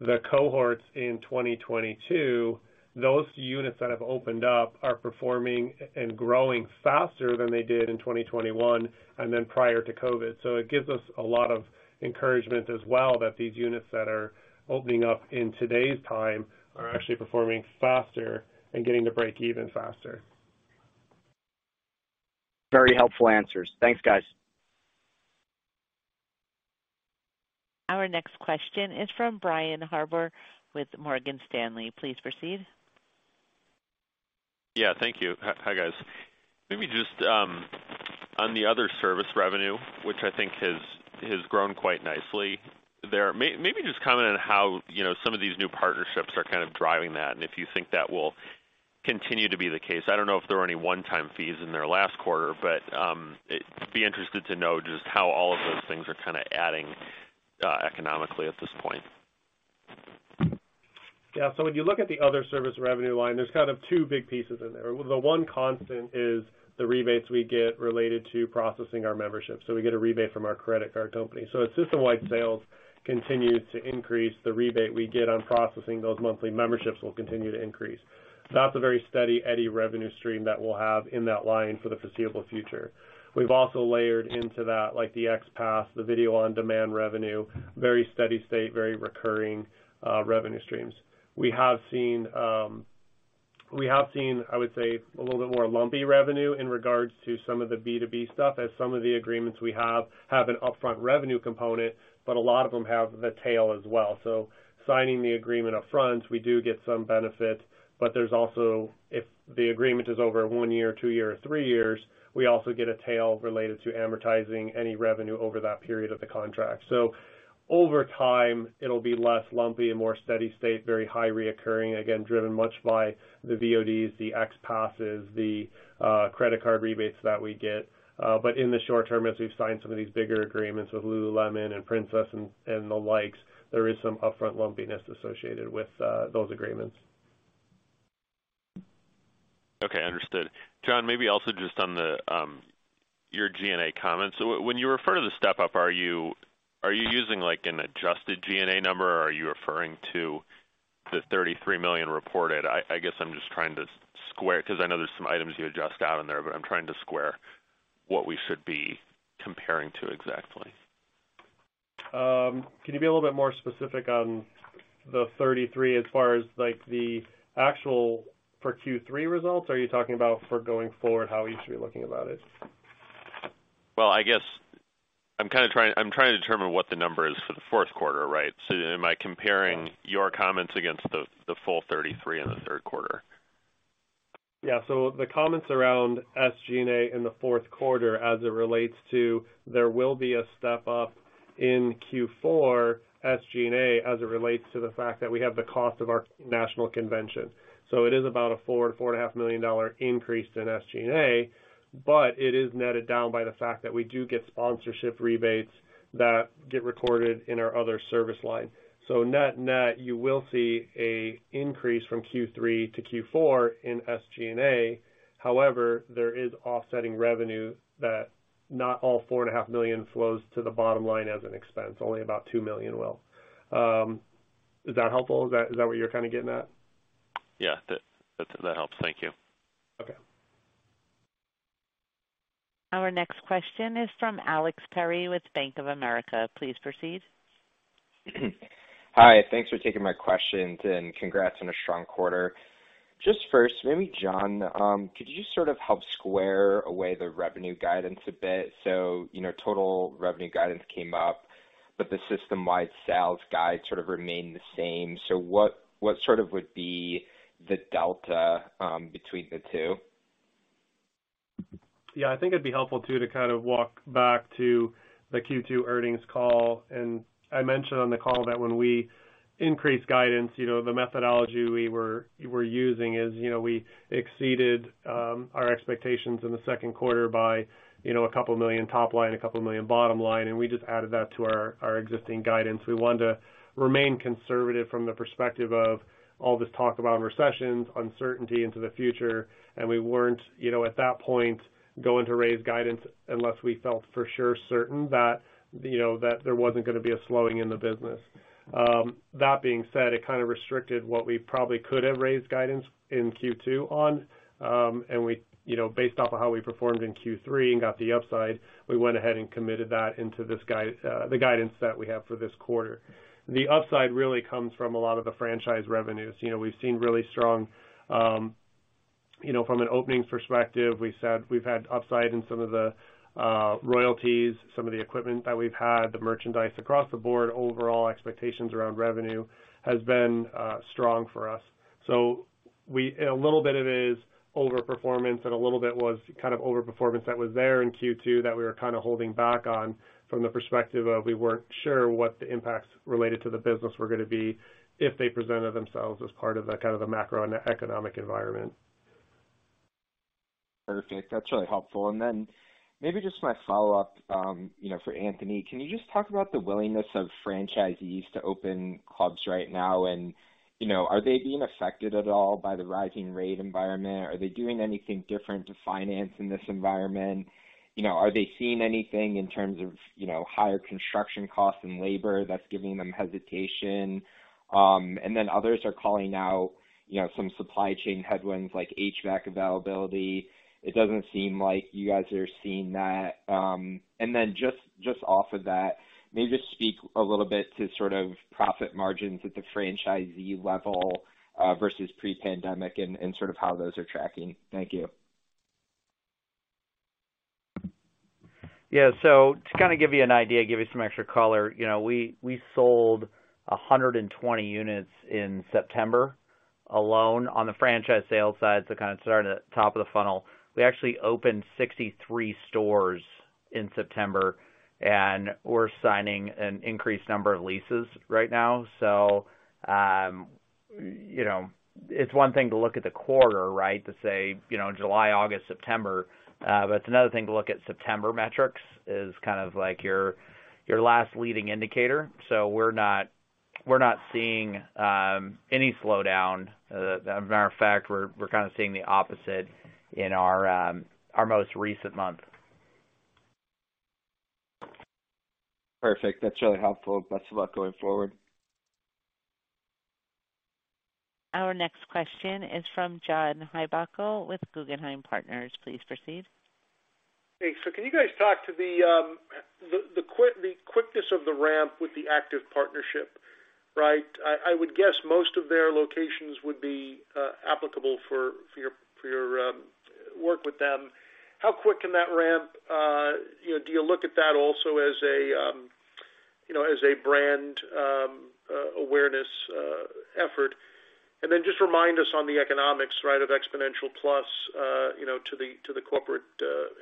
Speaker 5: the cohorts in 2022, those units that have opened up are performing and growing faster than they did in 2021 and then prior to COVID. It gives us a lot of encouragement as well that these units that are opening up in today's time are actually performing faster and getting to break even faster.
Speaker 6: Very helpful answers. Thanks, guys.
Speaker 1: Our next question is from Brian Harbour with Morgan Stanley. Please proceed.
Speaker 9: Yeah, thank you. Hi, guys. Maybe just on the other service revenue, which I think has grown quite nicely there. Maybe just comment on how, you know, some of these new partnerships are kind of driving that and if you think that will continue to be the case. I don't know if there were any one-time fees in their last quarter, but I'd be interested to know just how all of those things are kinda adding economically at this point.
Speaker 5: Yeah. When you look at the other service revenue line, there's kind of two big pieces in there. The one constant is the rebates we get related to processing our membership. We get a rebate from our credit card company. As system-wide sales continues to increase, the rebate we get on processing those monthly memberships will continue to increase. That's a very steady-Eddie revenue stream that we'll have in that line for the foreseeable future. We've also layered into that, like the XPass, the video on-demand revenue, very steady state, very recurring, revenue streams. We have seen, I would say, a little bit more lumpy revenue in regards to some of the B2B stuff as some of the agreements we have have an upfront revenue component, but a lot of them have the tail as well. Signing the agreement upfront, we do get some benefit. There's also, if the agreement is over 1 year, 2 year, or 3 years, we also get a tail related to amortizing any revenue over that period of the contract. Over time, it'll be less lumpy and more steady state, very high recurring, again, driven much by the VODs, the XPASSes, the credit card rebates that we get. In the short term, as we've signed some of these bigger agreements with lululemon and Princess and the likes, there is some upfront lumpiness associated with those agreements.
Speaker 9: Okay, understood. John, maybe also just on your G&A comments. When you refer to the step-up, are you using, like, an adjusted G&A number, or are you referring to the $33 million reported? I guess I'm just trying to square 'cause I know there's some items you adjust out in there, but I'm trying to square what we should be comparing to exactly.
Speaker 5: Can you be a little bit more specific on the 33 as far as, like, the actual for Q3 results? Or are you talking about for going forward, how we should be looking about it?
Speaker 9: Well, I guess I'm kinda trying to determine what the number is for the fourth quarter, right? Am I comparing your comments against the full 33 in the third quarter?
Speaker 5: Yeah. The comments around SG&A in the fourth quarter as it relates to there will be a step-up in Q4 SG&A as it relates to the fact that we have the cost of our national convention. It is about a $4-$4.5 million dollar increase in SG&A, but it is netted down by the fact that we do get sponsorship rebates that get recorded in our other service line. Net-net, you will see an increase from Q3 to Q4 in SG&A. However, there is offsetting revenue that not all $4.5 million flows to the bottom line as an expense, only about $2 million will. Is that helpful? Is that what you're kinda getting at?
Speaker 9: Yeah. That helps. Thank you.
Speaker 5: Okay.
Speaker 1: Our next question is from Alex Perry with Bank of America. Please proceed.
Speaker 10: Hi. Thanks for taking my questions, and congrats on a strong quarter. Just first, maybe John, could you sort of help square away the revenue guidance a bit? You know, total revenue guidance came up, but the system-wide sales guide sort of remained the same. What sort of would be the delta between the two?
Speaker 5: Yeah, I think it'd be helpful too to kind of walk back to the Q2 earnings call. I mentioned on the call that when we increase guidance, you know, the methodology we were using is, you know, we exceeded our expectations in the second quarter by, you know, $2 million top line, $2 million bottom line, and we just added that to our existing guidance. We wanted to remain conservative from the perspective of all this talk about recessions, uncertainty into the future, and we weren't, you know, at that point, going to raise guidance unless we felt for sure certain that, you know, that there wasn't gonna be a slowing in the business. That being said, it kind of restricted what we probably could have raised guidance in Q2 on. You know, based off of how we performed in Q3 and got the upside, we went ahead and committed that into this guide, the guidance that we have for this quarter. The upside really comes from a lot of the franchise revenues. You know, we've seen really strong, you know, from an openings perspective. We said we've had upside in some of the royalties, some of the equipment that we've had, the merchandise across the board. Overall expectations around revenue has been strong for us. A little bit of it is overperformance and a little bit was kind of overperformance that was there in Q2 that we were kind of holding back on from the perspective of we weren't sure what the impacts related to the business were gonna be if they presented themselves as part of the kind of the macroeconomic environment.
Speaker 9: Perfect. That's really helpful. Maybe just my follow-up, you know, for Anthony, can you just talk about the willingness of franchisees to open clubs right now? You know, are they being affected at all by the rising rate environment? Are they doing anything different to finance in this environment? You know, are they seeing anything in terms of, you know, higher construction costs and labor that's giving them hesitation? Others are calling out, you know, some supply chain headwinds like HVAC availability. It doesn't seem like you guys are seeing that. Just off of that, maybe just speak a little bit to sort of profit margins at the franchisee level versus pre-pandemic and sort of how those are tracking. Thank you.
Speaker 3: Yeah. To kind of give you an idea, give you some extra color, you know, we sold 120 units in September alone on the franchise sales side to kind of start at top of the funnel. We actually opened 63 stores in September, and we're signing an increased number of leases right now. You know, it's one thing to look at the quarter, right? To say, you know, July, August, September, but it's another thing to look at September metrics is kind of like your last leading indicator. We're not seeing any slowdown. Matter of fact, we're kind of seeing the opposite in our most recent month.
Speaker 9: Perfect. That's really helpful. Best of luck going forward.
Speaker 1: Our next question is from John Heinbockel with Guggenheim Securities. Please proceed.
Speaker 11: Hey. Can you guys talk to the quickness of the ramp with the Aktiv partnership, right? I would guess most of their locations would be applicable for your work with them. How quick can that ramp? You know, do you look at that also as a brand awareness effort? Then just remind us on the economics, right, of Xponential+, you know, to the corporate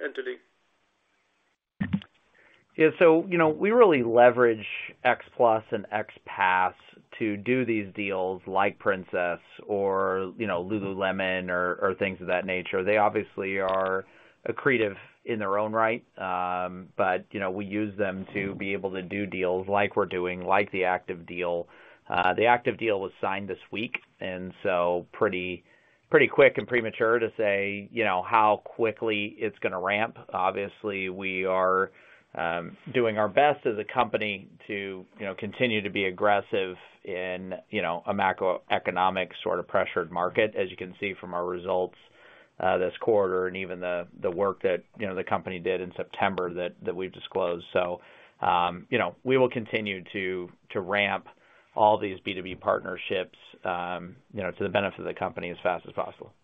Speaker 11: entity.
Speaker 3: Yeah. You know, we really leverage X Plus and X Pass to do these deals like Princess or, you know, Lululemon or things of that nature. They obviously are accretive in their own right. You know, we use them to be able to do deals like we're doing, like the Aktiv deal. The Aktiv deal was signed this week, and so pretty quick and premature to say, you know, how quickly it's gonna ramp. Obviously, we are doing our best as a company to, you know, continue to be aggressive in, you know, a macroeconomic sort of pressured market, as you can see from our results this quarter and even the work that, you know, the company did in September that we've disclosed. You know, we will continue to ramp all these B2B partnerships, you know, to the benefit of the company as fast as possible.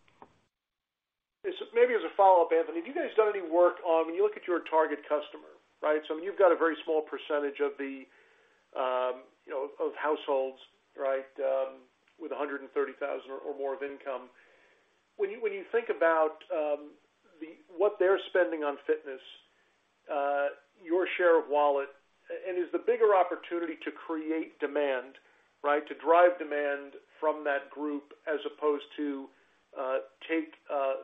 Speaker 11: Yes. Maybe as a follow-up, Anthony. Have you guys done any work on when you look at your target customer, right? So you've got a very small percentage of the, you know, of households, right, with $130,000 or more of income. When you think about what they're spending on fitness, your share of wallet, and is the bigger opportunity to create demand, right, to drive demand from that group as opposed to take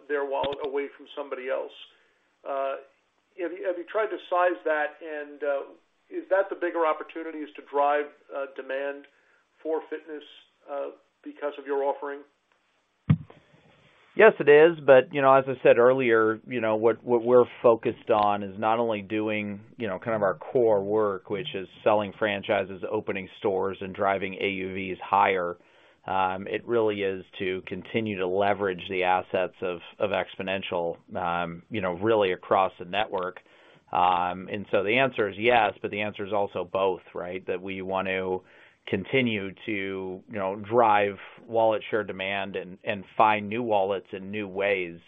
Speaker 11: their wallet away from somebody else. Have you tried to size that? Is that the bigger opportunity is to drive demand for fitness because of your offering?
Speaker 3: Yes, it is. You know, as I said earlier, you know, what we're focused on is not only doing, you know, kind of our core work, which is selling franchises, opening stores, and driving AUVs higher, it really is to continue to leverage the assets of Xponential, you know, really across the network. The answer is yes, but the answer is also both, right? That we want to continue to, you know, drive wallet share demand and find new wallets and new ways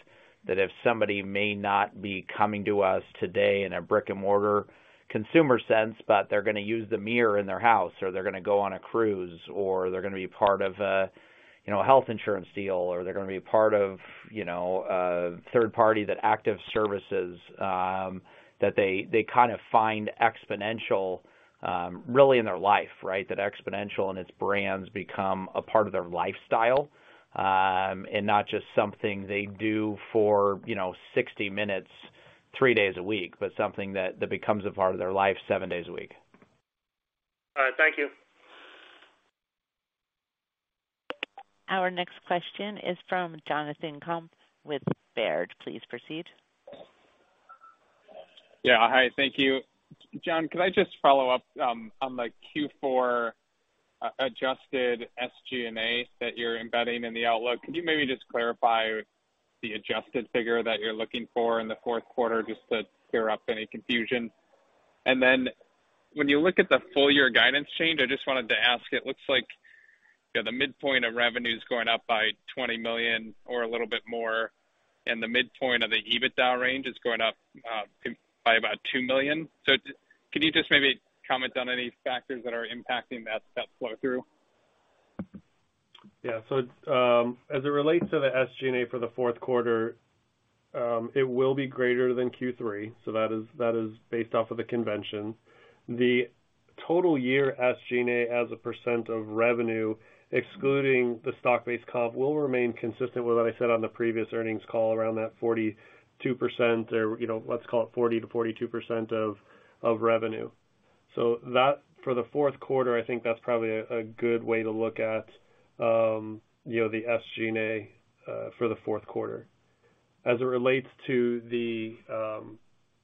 Speaker 3: that if somebody may not be coming to us today in a brick-and-mortar consumer sense, but they're gonna use the mirror in their house, or they're gonna go on a cruise, or they're gonna be part of a, you know, health insurance deal, or they're gonna be a part of, you know, a third party, that Aktiv services, that they kind of find Xponential really in their life, right? That Xponential and its brands become a part of their lifestyle, and not just something they do for, you know, 60 minutes, three days a week, but something that becomes a part of their life seven days a week.
Speaker 11: All right. Thank you.
Speaker 1: Our next question is from Jonathan Komp with Baird. Please proceed.
Speaker 12: Yeah. Hi. Thank you. John, can I just follow up on the Q4 adjusted SG&A that you're embedding in the outlook? Could you maybe just clarify the adjusted figure that you're looking for in the fourth quarter, just to clear up any confusion? When you look at the full year guidance change, I just wanted to ask, it looks like, you know, the midpoint of revenue is going up by $20 million or a little bit more, and the midpoint of the EBITDA range is going up by about $2 million. Can you just maybe comment on any factors that are impacting that flow through?
Speaker 5: Yeah. As it relates to the SG&A for the fourth quarter, it will be greater than Q3. That is based off of the convention. The total year SG&A as a percent of revenue, excluding the stock-based comp, will remain consistent with what I said on the previous earnings call around that 42% or, you know, let's call it 40%-42% of revenue. That for the fourth quarter, I think that's probably a good way to look at, you know, the SG&A for the fourth quarter. As it relates to the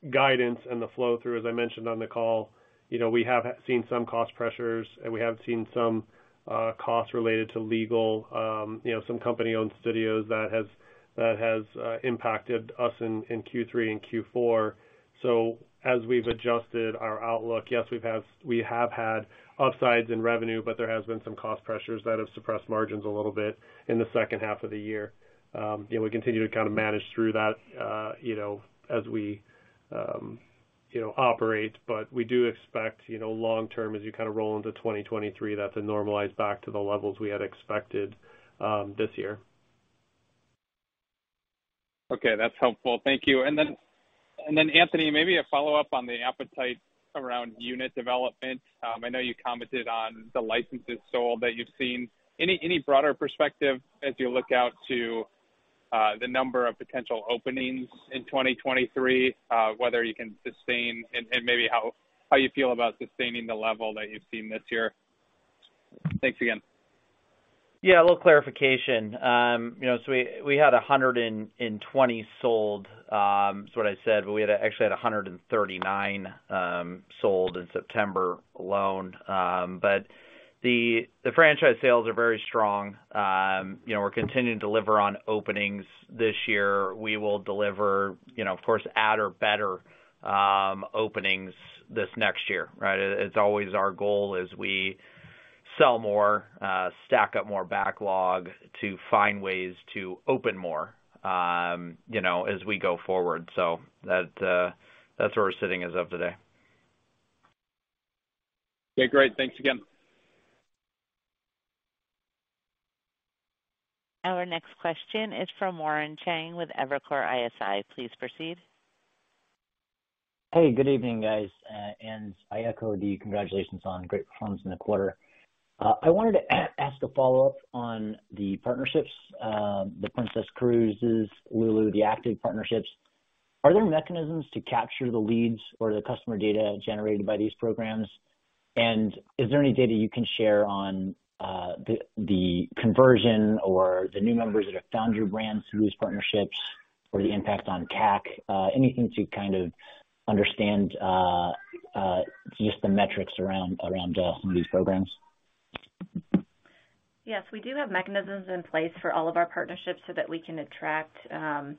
Speaker 5: guidance and the flow-through, as I mentioned on the call, you know, we have seen some cost pressures, and we have seen some costs related to legal, you know, some company-owned studios that has impacted us in Q3 and Q4. As we've adjusted our outlook, yes, we have had upsides in revenue, but there has been some cost pressures that have suppressed margins a little bit in the second half of the year. You know, we continue to kind of manage through that, you know, as we, you know, operate. We do expect, you know, long term, as you kind of roll into 2023, that to normalize back to the levels we had expected, this year.
Speaker 12: Okay. That's helpful. Thank you. Anthony, maybe a follow-up on the appetite around unit development. I know you commented on the licenses sold that you've seen. Any broader perspective as you look out to the number of potential openings in 2023, whether you can sustain and maybe how you feel about sustaining the level that you've seen this year? Thanks again.
Speaker 3: Yeah, a little clarification. You know, we had 120 sold is what I said, but we actually had 139 sold in September alone. But the franchise sales are very strong. You know, we're continuing to deliver on openings this year. We will deliver, you know, of course, at or better openings this next year, right? It's always our goal as we sell more, stack up more backlog to find ways to open more, you know, as we go forward. That's where we're sitting as of today.
Speaker 12: Okay, great. Thanks again.
Speaker 1: Our next question is from Warren Cheng with Evercore ISI. Please proceed.
Speaker 13: Hey, good evening, guys. I echo the congratulations on great performance in the quarter. I wanted to ask a follow-up on the partnerships, the Princess Cruises, lululemon, the Aktiv partnerships. Are there mechanisms to capture the leads or the customer data generated by these programs? Is there any data you can share on the conversion or the new members that have found your brand through these partnerships or the impact on CAC? Anything to kind of understand just the metrics around some of these programs.
Speaker 4: Yes, we do have mechanisms in place for all of our partnerships so that we can attract,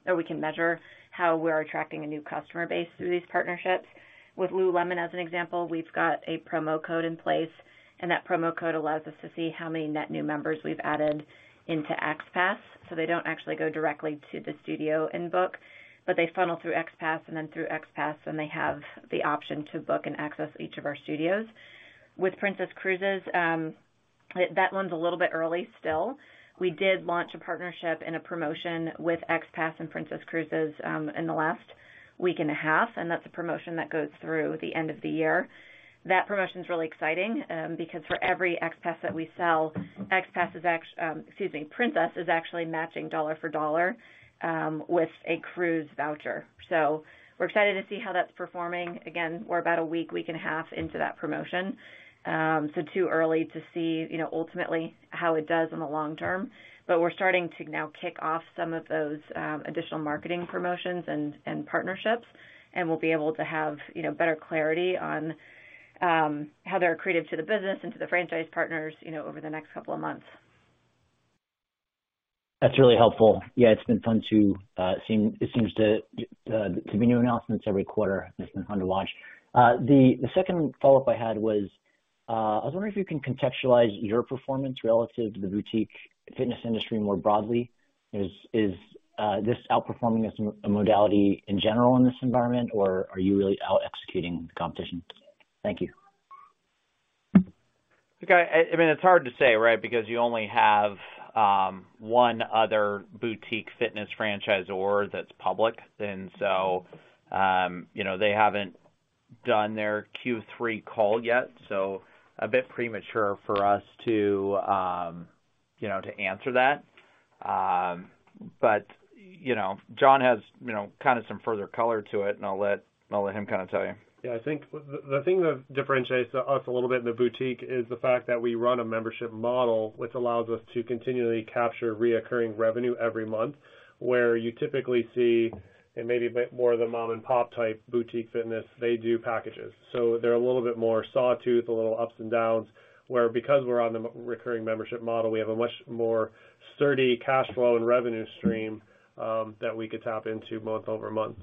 Speaker 4: or we can measure how we're attracting a new customer base through these partnerships. With Lululemon, as an example, we've got a promo code in place, and that promo code allows us to see how many net new members we've added into XPASS, so they don't actually go directly to the studio and book, but they funnel through XPASS, and then through XPASS, then they have the option to book and access each of our studios. With Princess Cruises, that one's a little bit early still. We did launch a partnership and a promotion with XPASS and Princess Cruises, in the last week and a half, and that's a promotion that goes through the end of the year. That promotion is really exciting, because for every XPASS that we sell, Princess is actually matching dollar for dollar, with a cruise voucher. We're excited to see how that's performing. Again, we're about a week and a half into that promotion. Too early to see, you know, ultimately how it does in the long term. We're starting to now kick off some of those additional marketing promotions and partnerships, and we'll be able to have, you know, better clarity on how they're accretive to the business and to the franchise partners, you know, over the next couple of months.
Speaker 13: That's really helpful. Yeah, it's been fun to see. It seems to be new announcements every quarter. It's been fun to watch. The second follow-up I had was, I was wondering if you can contextualize your performance relative to the boutique fitness industry more broadly. Is this outperforming as a modality in general in this environment, or are you really out-executing the competition? Thank you.
Speaker 3: Look, I mean, it's hard to say, right? Because you only have one other boutique fitness franchisor that's public. They haven't done their Q3 call yet, so a bit premature for us to you know, to answer that. You know, John has you know, kind of some further color to it, and I'll let him kind of tell you.
Speaker 5: Yeah, I think the thing that differentiates us a little bit in the boutique is the fact that we run a membership model, which allows us to continually capture recurring revenue every month, where you typically see, and maybe a bit more of the mom and pop type boutique fitness, they do packages. They're a little bit more sawtooth, a little ups and downs, where because we're on the recurring membership model, we have a much more steady cash flow and revenue stream, that we could tap into month-over-month.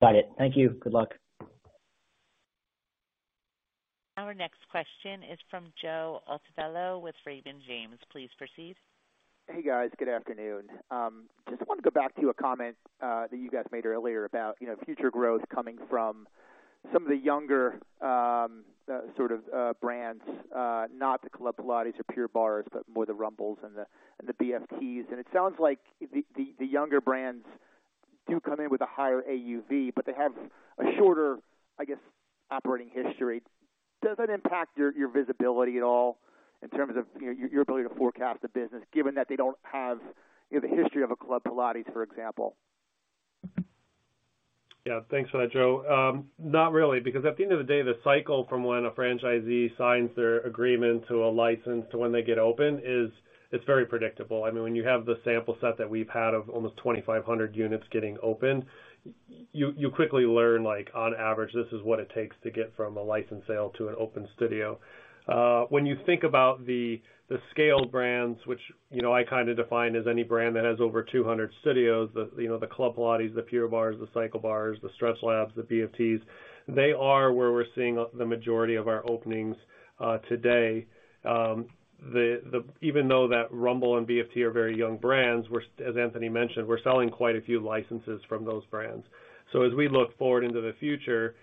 Speaker 13: Got it. Thank you. Good luck.
Speaker 1: Our next question is from Joe Altobello with Raymond James. Please proceed.
Speaker 14: Hey, guys. Good afternoon. Just wanna go back to a comment that you guys made earlier about, you know, future growth coming from some of the younger sort of brands, not the Club Pilates or Pure Barre, but more the Rumble and the BFTs. It sounds like the younger brands do come in with a higher AUV, but they have a shorter, I guess, operating history.
Speaker 3: Does that impact your visibility at all in terms of, you know, your ability to forecast the business given that they don't have, you know, the history of a Club Pilates, for example?
Speaker 5: Yeah, thanks for that, Joe. Not really, because at the end of the day, the cycle from when a franchisee signs their agreement to a license to when they get open is, it's very predictable. I mean, when you have the sample set that we've had of almost 2,500 units getting opened, you quickly learn, like on average, this is what it takes to get from a license sale to an open studio. When you think about the scale brands, which, you know, I kind of define as any brand that has over 200 studios, you know, the Club Pilates, the Pure Barre, the CycleBar, the StretchLab, the BFTs, they are where we're seeing the majority of our openings, today. Even though that Rumble and BFT are very young brands, we're, as Anthony mentioned, we're selling quite a few licenses from those brands. As we look forward into the future,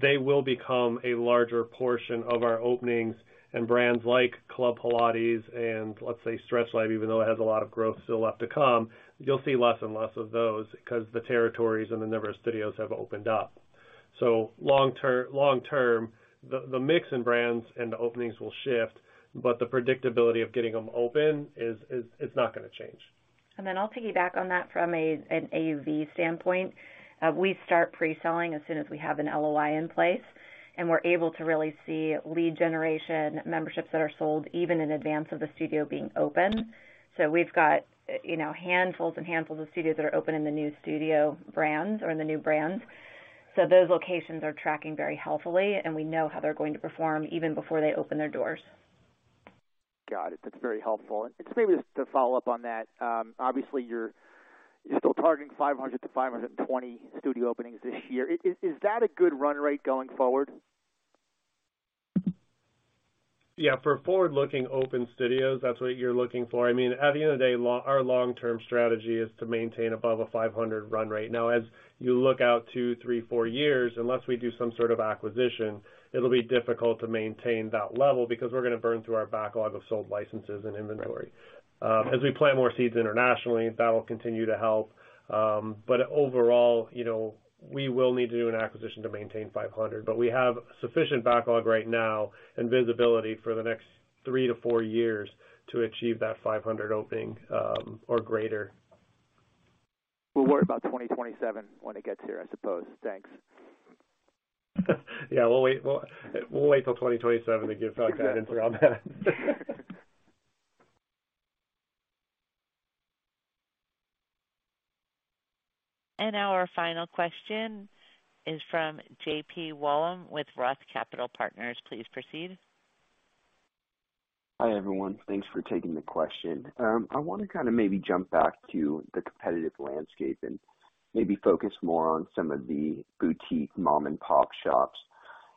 Speaker 5: they will become a larger portion of our openings and brands like Club Pilates and, let's say, StretchLab, even though it has a lot of growth still left to come, you'll see less and less of those 'cause the territories and the number of studios have opened up. Long term, the mix in brands and the openings will shift, but the predictability of getting them open is, it's not gonna change.
Speaker 4: I'll piggyback on that from an AUV standpoint. We start pre-selling as soon as we have an LOI in place, and we're able to really see lead generation memberships that are sold even in advance of the studio being open. We've got, you know, handfuls and handfuls of studios that are open in the new studio brands or in the new brands. Those locations are tracking very healthily, and we know how they're going to perform even before they open their doors.
Speaker 14: Got it. That's very helpful. Just maybe to follow up on that, obviously, you're still targeting 500-520 studio openings this year. Is that a good run rate going forward?
Speaker 5: Yeah. For forward-looking open studios, that's what you're looking for. I mean, at the end of the day, our long-term strategy is to maintain above a 500 run rate. Now, as you look out two, three, four years, unless we do some sort of acquisition, it'll be difficult to maintain that level because we're gonna burn through our backlog of sold licenses and inventory. As we plant more seeds internationally, that will continue to help. But overall, you know, we will need to do an acquisition to maintain 500. We have sufficient backlog right now and visibility for the next three to four years to achieve that 500 opening, or greater.
Speaker 3: We'll worry about 2027 when it gets here, I suppose. Thanks.
Speaker 5: Yeah, we'll wait till 2027 to give guidance around that.
Speaker 1: Our final question is from J.P. Wollam with ROTH Capital Partners. Please proceed.
Speaker 15: Hi, everyone. Thanks for taking the question. I wanna kind of maybe jump back to the competitive landscape and maybe focus more on some of the boutique mom-and-pop shops.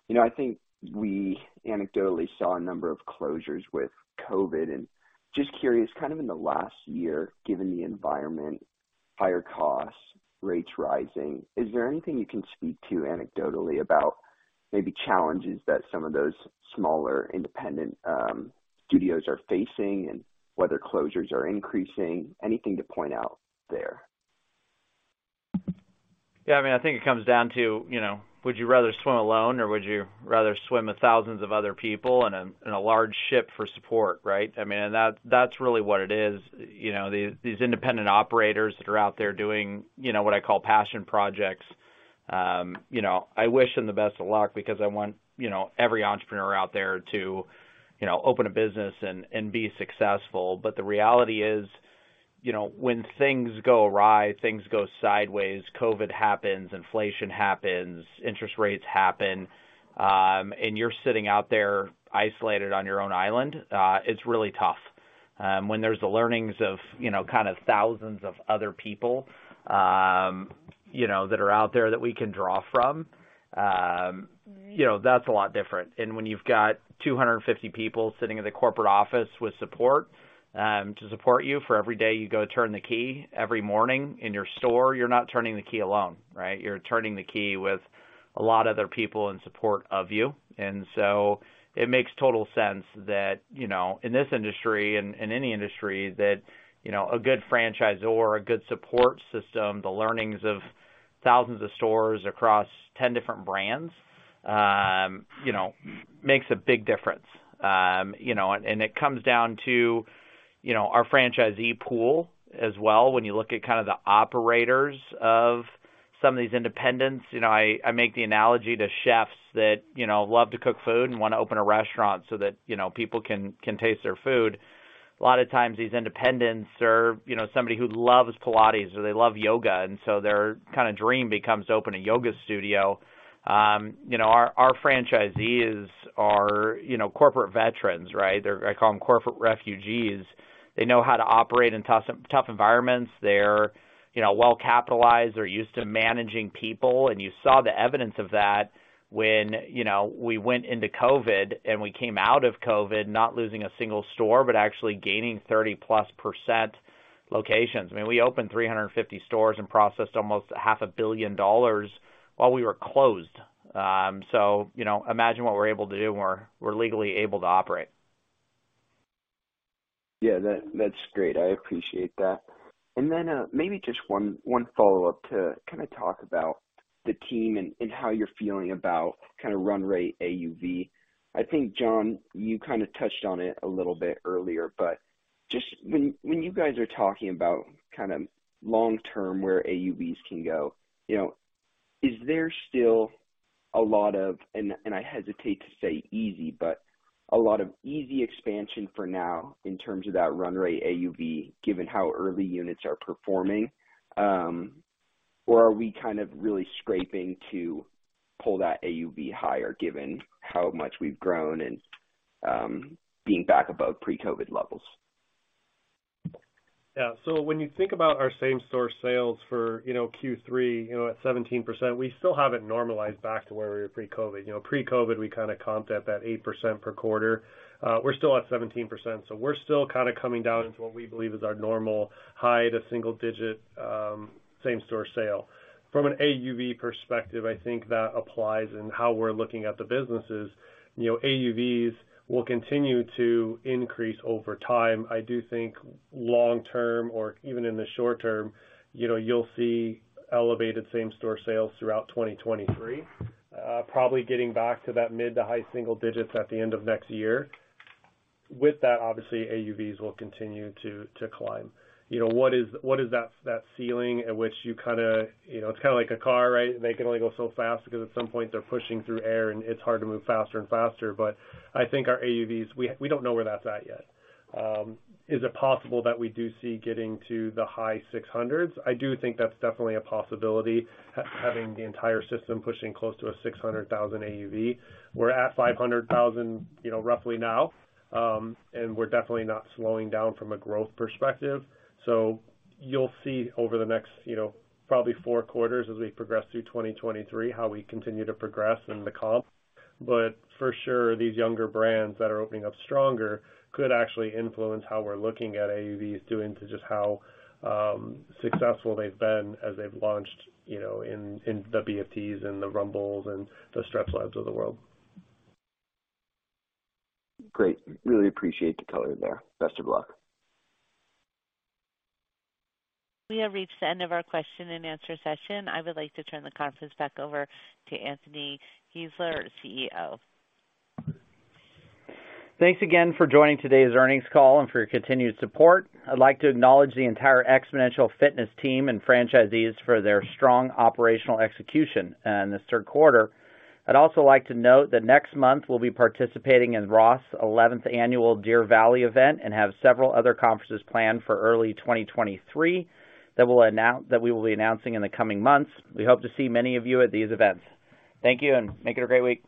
Speaker 15: You know, I think we anecdotally saw a number of closures with COVID. Just curious, kind of in the last year, given the environment, higher costs, rates rising, is there anything you can speak to anecdotally about maybe challenges that some of those smaller independent studios are facing and whether closures are increasing? Anything to point out there?
Speaker 3: Yeah. I mean, I think it comes down to, you know, would you rather swim alone or would you rather swim with thousands of other people in a large ship for support, right? I mean, that's really what it is. You know, these independent operators that are out there doing, you know, what I call passion projects, you know, I wish them the best of luck because I want, you know, every entrepreneur out there to, you know, open a business and be successful. The reality is, you know, when things go awry, things go sideways, COVID happens, inflation happens, interest rates happen, and you're sitting out there isolated on your own island, it's really tough. When there's the learnings of, you know, kind of thousands of other people, you know, that are out there that we can draw from, you know, that's a lot different. When you've got 250 people sitting in the corporate office with support to support you for every day you go turn the key every morning in your store, you're not turning the key alone, right? You're turning the key with a lot of other people in support of you. It makes total sense that, you know, in this industry and in any industry that, you know, a good franchisor, a good support system, the learnings of thousands of stores across 10 different brands, you know, makes a big difference. And it comes down to, you know, our franchisee pool as well. When you look at kind of the operators of some of these independents, you know, I make the analogy to chefs that, you know, love to cook food and wanna open a restaurant so that, you know, people can taste their food. A lot of times these independents are, you know, somebody who loves Pilates or they love yoga, and so their kinda dream becomes open a yoga studio. You know, our franchisees are, you know, corporate veterans, right? They're. I call them corporate refugees. They know how to operate in tough environments. They're, you know, well-capitalized. They're used to managing people. You saw the evidence of that when, you know, we went into COVID and we came out of COVID not losing a single store, but actually gaining 30-plus% locations. I mean, we opened 350 stores and processed almost half a billion dollars while we were closed. You know, imagine what we're able to do when we're legally able to operate.
Speaker 15: Yeah, that's great. I appreciate that. Then, maybe just one follow-up to kinda talk about the team and how you're feeling about kinda run rate AUV. I think, John, you kinda touched on it a little bit earlier, but just when you guys are talking about kind of long-term where AUVs can go, you know, is there still a lot of, and I hesitate to say easy, but a lot of easy expansion for now in terms of that run rate AUV, given how early units are performing? Or are we kind of really scraping to pull that AUV higher given how much we've grown and being back above pre-COVID levels?
Speaker 5: Yeah. When you think about our same-store sales for, you know, Q3, you know, at 17%, we still haven't normalized back to where we were pre-COVID. You know, pre-COVID we kinda comped at that 8% per quarter. We're still at 17%, so we're still kinda coming down into what we believe is our normal high- to single-digit same-store sale. From an AUV perspective, I think that applies in how we're looking at the businesses. You know, AUVs will continue to increase over time. I do think long term or even in the short term, you know, you'll see elevated same-store sales throughout 2023, probably getting back to that mid- to high single digits at the end of next year. With that, obviously AUVs will continue to climb. You know, what is that ceiling at which you kinda You know, it's kinda like a car, right? They can only go so fast 'cause at some point they're pushing through air and it's hard to move faster and faster. I think our AUVs, we don't know where that's at yet. Is it possible that we do see getting to the high 600s? I do think that's definitely a possibility, having the entire system pushing close to a 600,000 AUV. We're at 500,000, you know, roughly now, and we're definitely not slowing down from a growth perspective. You'll see over the next, you know, probably 4 quarters as we progress through 2023, how we continue to progress in the comp. For sure, these younger brands that are opening up stronger could actually influence how we're looking at AUVs due to just how successful they've been as they've launched, you know, in the BFTs and the Rumbles and the StretchLabs of the world.
Speaker 15: Great. Really appreciate the color there. Best of luck.
Speaker 1: We have reached the end of our question and answer session. I would like to turn the conference back over to Anthony Geisler, CEO.
Speaker 3: Thanks again for joining today's earnings call and for your continued support. I'd like to acknowledge the entire Xponential Fitness team and franchisees for their strong operational execution in this third quarter. I'd also like to note that next month we'll be participating in Roth's 11th Annual Deer Valley event and have several other conferences planned for early 2023 that we will be announcing in the coming months. We hope to see many of you at these events. Thank you, and make it a great week.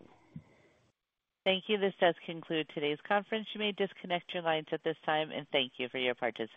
Speaker 1: Thank you. This does conclude today's conference. You may disconnect your lines at this time, and thank you for your participation.